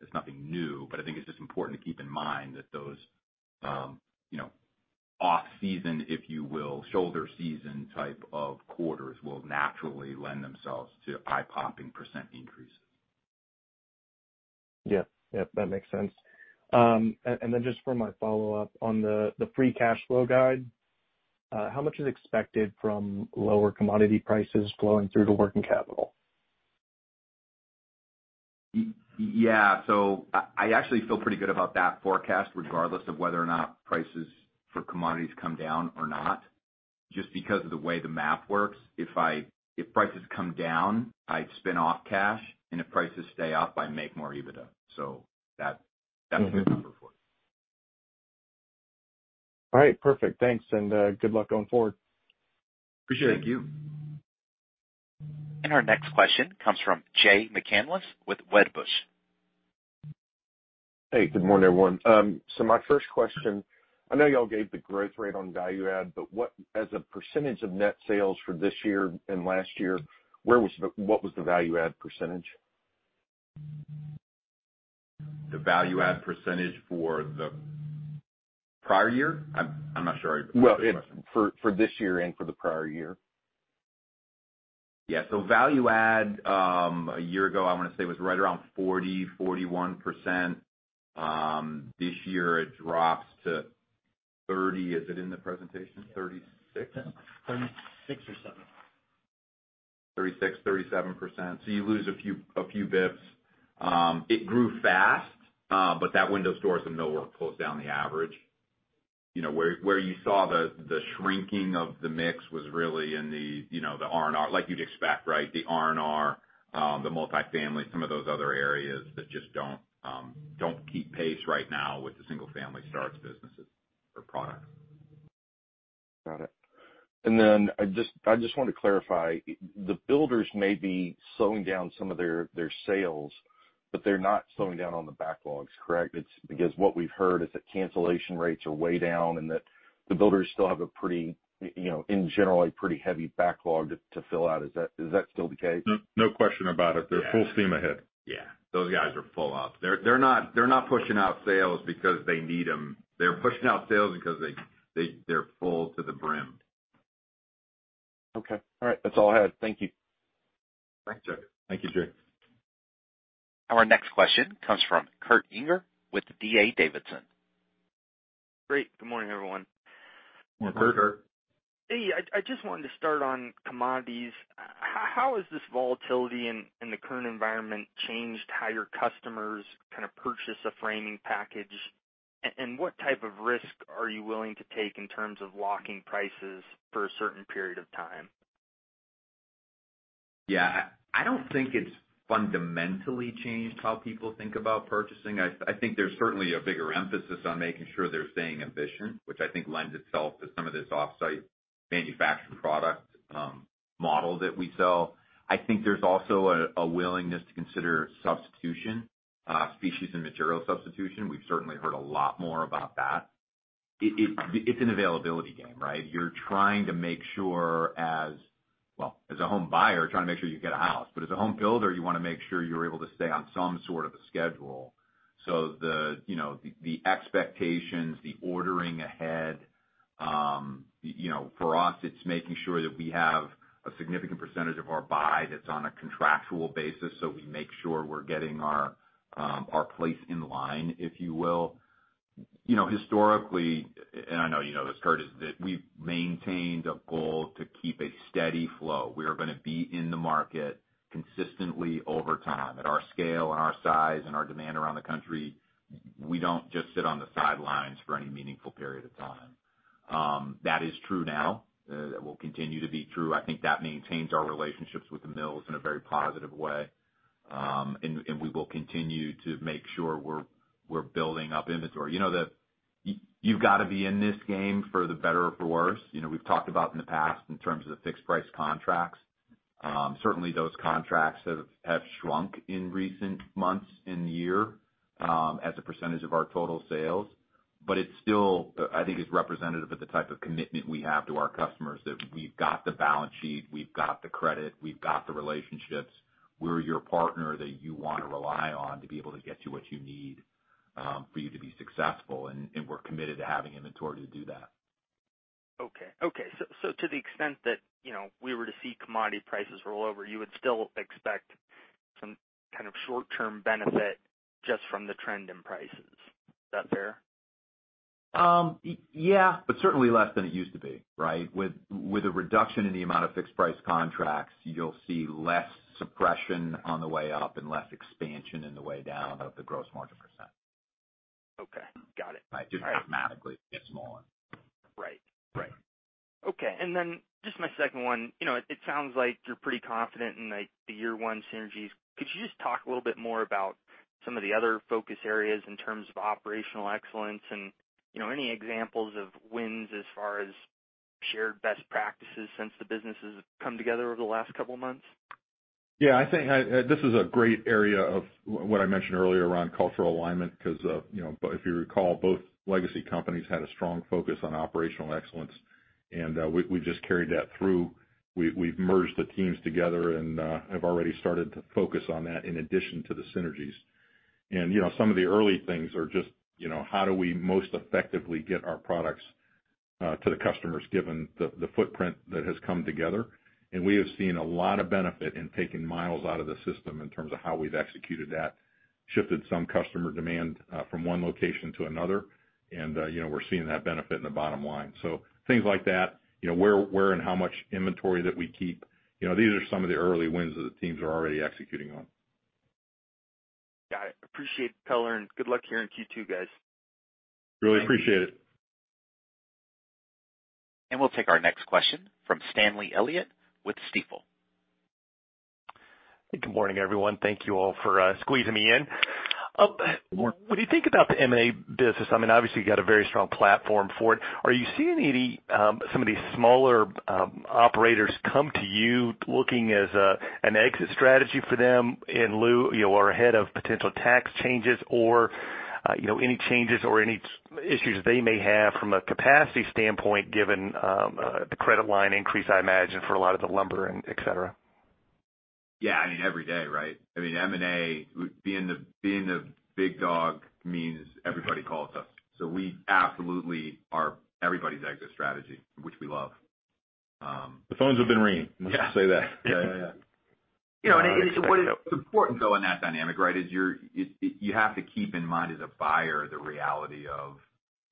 It's nothing new, but I think it's just important to keep in mind that those off-season, if you will, shoulder season type of quarters will naturally lend themselves to eye-popping percentage increases. Yeah. That makes sense. Just for my follow-up on the free cash flow guide, how much is expected from lower commodity prices flowing through to working capital? Yeah. I actually feel pretty good about that forecast, regardless of whether or not prices for commodities come down or not, just because of the way the math works. If prices come down, I spin off cash, and if prices stay up, I make more EBITDA. That's a good number for us. All right, perfect. Thanks. Good luck going forward. Appreciate it. Thank you. Our next question comes from Jay McCanless with Wedbush. Hey, good morning, everyone. My first question, I know y'all gave the growth rate on value-added, but as a percentage of net sales for this year and last year, what was the value-added percentage? The value-added percentage for the prior year? Well, for this year and for the prior year. Yeah. Value add, a year ago, I want to say, was right around 40%-41%. This year it drops to 30. Is it in the presentation? 36? 36 or seven. 36, 37%. You lose a few bips. It grew fast, but that windows, doors, and millwork pulls down the average. Where you saw the shrinking of the mix was really in the R&R, like you'd expect, right? The R&R, the multifamily, some of those other areas that just don't keep pace right now with the single-family starts businesses or product. Got it. I just want to clarify. The builders may be slowing down some of their sales, but they're not slowing down on the backlogs, correct? What we've heard is that cancellation rates are way down and that the builders still have a pretty, in general, a pretty heavy backlog to fill out. Is that still the case? No question about it. They're full steam ahead. Yeah. Those guys are full up. They're not pushing out sales because they need them. They're pushing out sales because they're full to the brim. Okay. All right. That's all I had. Thank you. Thanks. Thank you, Jay. Our next question comes from Kurt Yinger with D.A. Davidson. Great. Good morning, everyone. Good morning, Kurt. Kurt. Hey. I just wanted to start on commodities. How has this volatility in the current environment changed how your customers kind of purchase a framing package? What type of risk are you willing to take in terms of locking prices for a certain period of time? Yeah. I don't think it's fundamentally changed how people think about purchasing. I think there's certainly a bigger emphasis on making sure they're staying efficient, which I think lends itself to some of this off-site manufactured product model that we sell. I think there's also a willingness to consider substitution, species and material substitution. We've certainly heard a lot more about that. It's an availability game, right? As a home buyer, you're trying to make sure you get a house, as a home builder, you want to make sure you're able to stay on some sort of a schedule. The expectations, the ordering ahead, for us, it's making sure that we have a significant percentage of our buy that's on a contractual basis so we make sure we're getting our place in line, if you will. Historically, I know you know this, kurt, that we've maintained a goal to keep a steady flow. We are going to be in the market consistently over time. At our scale and our size and our demand around the country, we don't just sit on the sidelines for any meaningful period of time. That is true now. That will continue to be true. I think that maintains our relationships with the mills in a very positive way, and we will continue to make sure we're building up inventory. You've got to be in this game for the better or for worse. We've talked about in the past in terms of the fixed price contracts. Certainly those contracts have shrunk in recent months in the year, as a percentage of our total sales. It still, I think, is representative of the type of commitment we have to our customers, that we've got the balance sheet, we've got the credit, we've got the relationships. We're your partner that you want to rely on to be able to get you what you need for you to be successful, and we're committed to having inventory to do that. Okay. To the extent that we were to see commodity prices roll over, you would still expect some kind of short-term benefit just from the trend in prices. Is that fair? Yeah, certainly less than it used to be, right? With a reduction in the amount of fixed price contracts, you'll see less suppression on the way up and less expansion in the way down of the gross margin percent. Okay. Got it. Just mathematically, it gets more. Right. Okay. Just my second one. It sounds like you're pretty confident in the year one synergies. Could you just talk a little bit more about some of the other focus areas in terms of operational excellence and any examples of wins as far as shared best practices since the businesses have come together over the last couple of months? Yeah. I think this is a great area of what I mentioned earlier around cultural alignment, because, if you recall, both legacy companies had a strong focus on operational excellence, and we just carried that through. We've merged the teams together and have already started to focus on that in addition to the synergies. Some of the early things are just how do we most effectively get our products to the customers, given the footprint that has come together. We have seen a lot of benefit in taking miles out of the system in terms of how we've executed that, shifted some customer demand from one location to another, and we're seeing that benefit in the bottom line. Things like that, where and how much inventory that we keep. These are some of the early wins that the teams are already executing on. Got it. Appreciate the color, and good luck here in Q2, guys. Really appreciate it. Thank you. We'll take our next question from Stanley Elliott with Stifel. Good morning, everyone. Thank you all for squeezing me in. Good morning. When you think about the M&A business, obviously you've got a very strong platform for it. Are you seeing some of these smaller operators come to you looking as an exit strategy for them in lieu or ahead of potential tax changes or any changes or any issues they may have from a capacity standpoint, given the credit line increase, I imagine, for a lot of the lumber and et cetera? Yeah. Every day. M&A, being the big dog means everybody calls us. We absolutely are everybody's exit strategy, which we love. The phones have been ringing. Yeah. I'll just say that. Yeah. What is important, though, in that dynamic, right, is you have to keep in mind as a buyer the reality of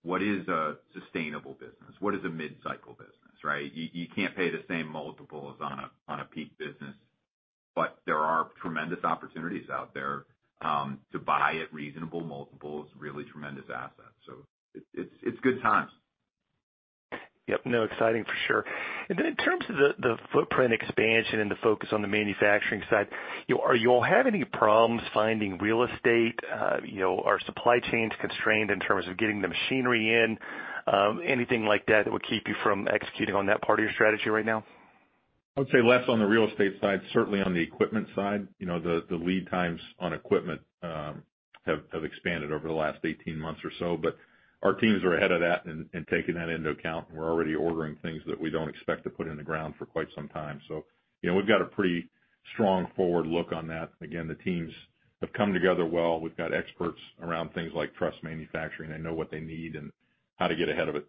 what is a sustainable business, what is a mid-cycle business, right? You can't pay the same multiples on a peak business. There are tremendous opportunities out there to buy at reasonable multiples, really tremendous assets. It's good times. Yep. No, exciting for sure. In terms of the footprint expansion and the focus on the manufacturing side, are you all having any problems finding real estate? Are supply chains constrained in terms of getting the machinery in? Anything like that would keep you from executing on that part of your strategy right now? I would say less on the real estate side, certainly on the equipment side. The lead times on equipment have expanded over the last 18 months or so. Our teams are ahead of that and taking that into account, and we're already ordering things that we don't expect to put in the ground for quite some time. We've got a pretty strong forward look on that. Again, the teams have come together well. We've got experts around things like truss manufacturing. They know what they need and how to get ahead of it.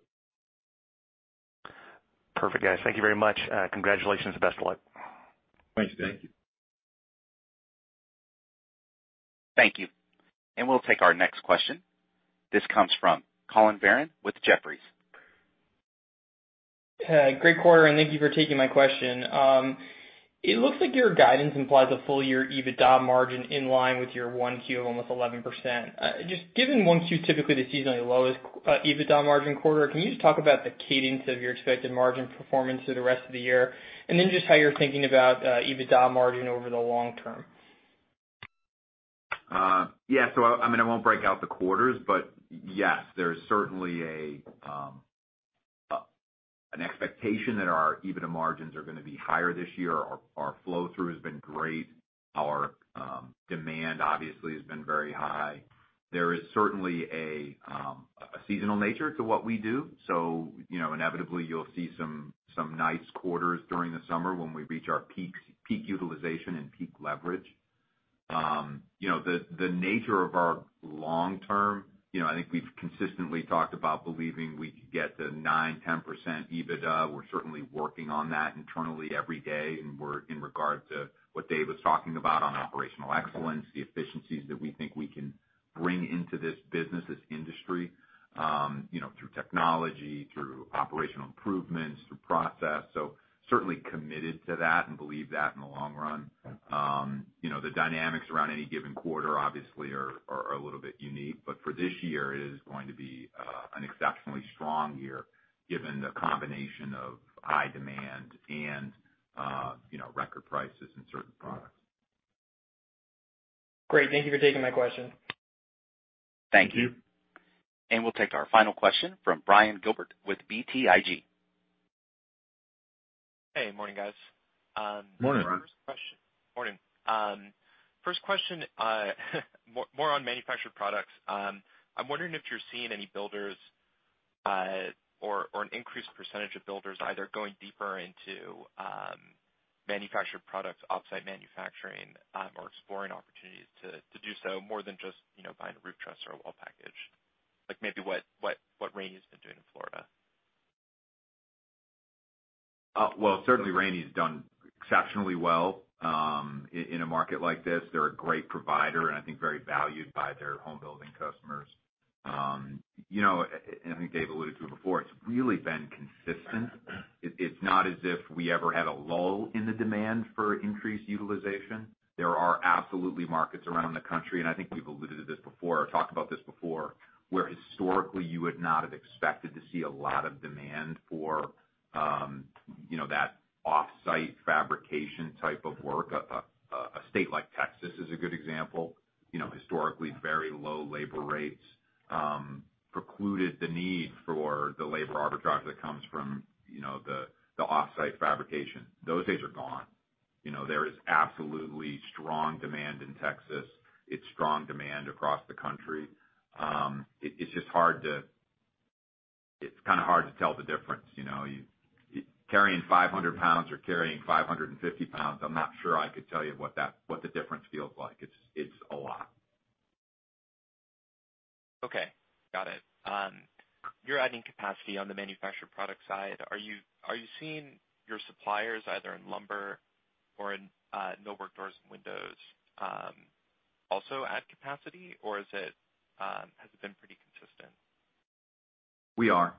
Perfect, guys. Thank you very much. Congratulations and best of luck. Thanks, Stan. Thank you. Thank you. We'll take our next question. This comes from Collin Verron with Jefferies. Hey, great quarter, and thank you for taking my question. It looks like your guidance implies a full-year EBITDA margin in line with your 1Q of almost 11%. Just given 1Q typically the seasonally lowest EBITDA margin quarter, can you just talk about the cadence of your expected margin performance through the rest of the year? Then just how you're thinking about EBITDA margin over the long term. I won't break out the quarters, but yes, there's certainly an expectation that our EBITDA margins are going to be higher this year. Our flow-through has been great. Our demand obviously has been very high. There is certainly a seasonal nature to what we do, inevitably you'll see some nice quarters during the summer when we reach our peak utilization and peak leverage. The nature of our long term, I think we've consistently talked about believing we could get to 9%-10% EBITDA. We're certainly working on that internally every day in regards to what Dave was talking about on operational excellence, the efficiencies that we think we can bring into this business, this industry, through technology, through operational improvements, through process. Certainly committed to that and believe that in the long run. The dynamics around any given quarter obviously are a little bit unique. For this year, it is going to be an exceptionally strong year given the combination of high demand and record prices in certain products. Great. Thank you for taking my question. Thank you. We'll take our final question from Ryan Gilbert with BTIG. Hey, morning, guys. Morning, Ryan. Morning. First question more on manufactured products. I'm wondering if you're seeing any builders or an increased percentage of builders either going deeper into manufactured products, off-site manufacturing, or exploring opportunities to do so more than just buying a roof truss or a wall package. Like maybe what Raney's been doing in Florida. Well, certainly Raney's done exceptionally well in a market like this. They're a great provider and I think very valued by their home building customers. I think Dave alluded to it before, it's really been consistent. It's not as if we ever had a lull in the demand for increased utilization. There are absolutely markets around the country, and I think we've alluded to this before or talked about this before, where historically you would not have expected to see a lot of demand for that off-site fabrication type of work. A state like Texas is a good example. Historically very low labor rates precluded the need for the labor arbitrage that comes from the off-site fabrication. Those days are gone. There is absolutely strong demand in Texas. It's strong demand across the country. It's kind of hard to tell the difference. Carrying 500 lbs or carrying 550 lbs, I'm not sure I could tell you what the difference feels like. It's a lot. Okay. Got it. You're adding capacity on the manufactured product side. Are you seeing your suppliers either in lumber or in millwork doors and windows also add capacity, or has it been pretty consistent? We are.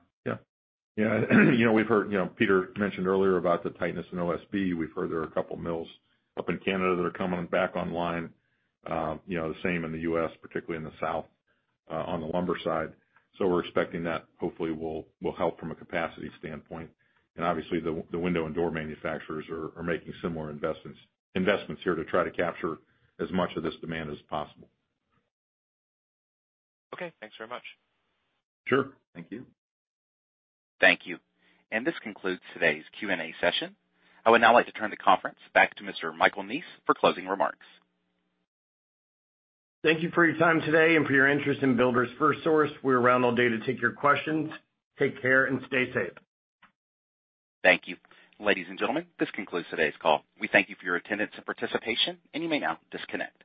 Yeah. We've heard Peter mentioned earlier about the tightness in OSB. We've heard there are a couple mills up in Canada that are coming back online. The same in the U.S., particularly in the South, on the lumber side. We're expecting that hopefully will help from a capacity standpoint. Obviously the window and door manufacturers are making similar investments here to try to capture as much of this demand as possible. Okay. Thanks very much. Sure. Thank you. Thank you. This concludes today's Q&A session. I would now like to turn the conference back to Mr. Michael Neese for closing remarks. Thank you for your time today and for your interest in Builders FirstSource. We're around all day to take your questions. Take care and stay safe. Thank you. Ladies and gentlemen, this concludes today's call. We thank you for your attendance and participation. You may now disconnect.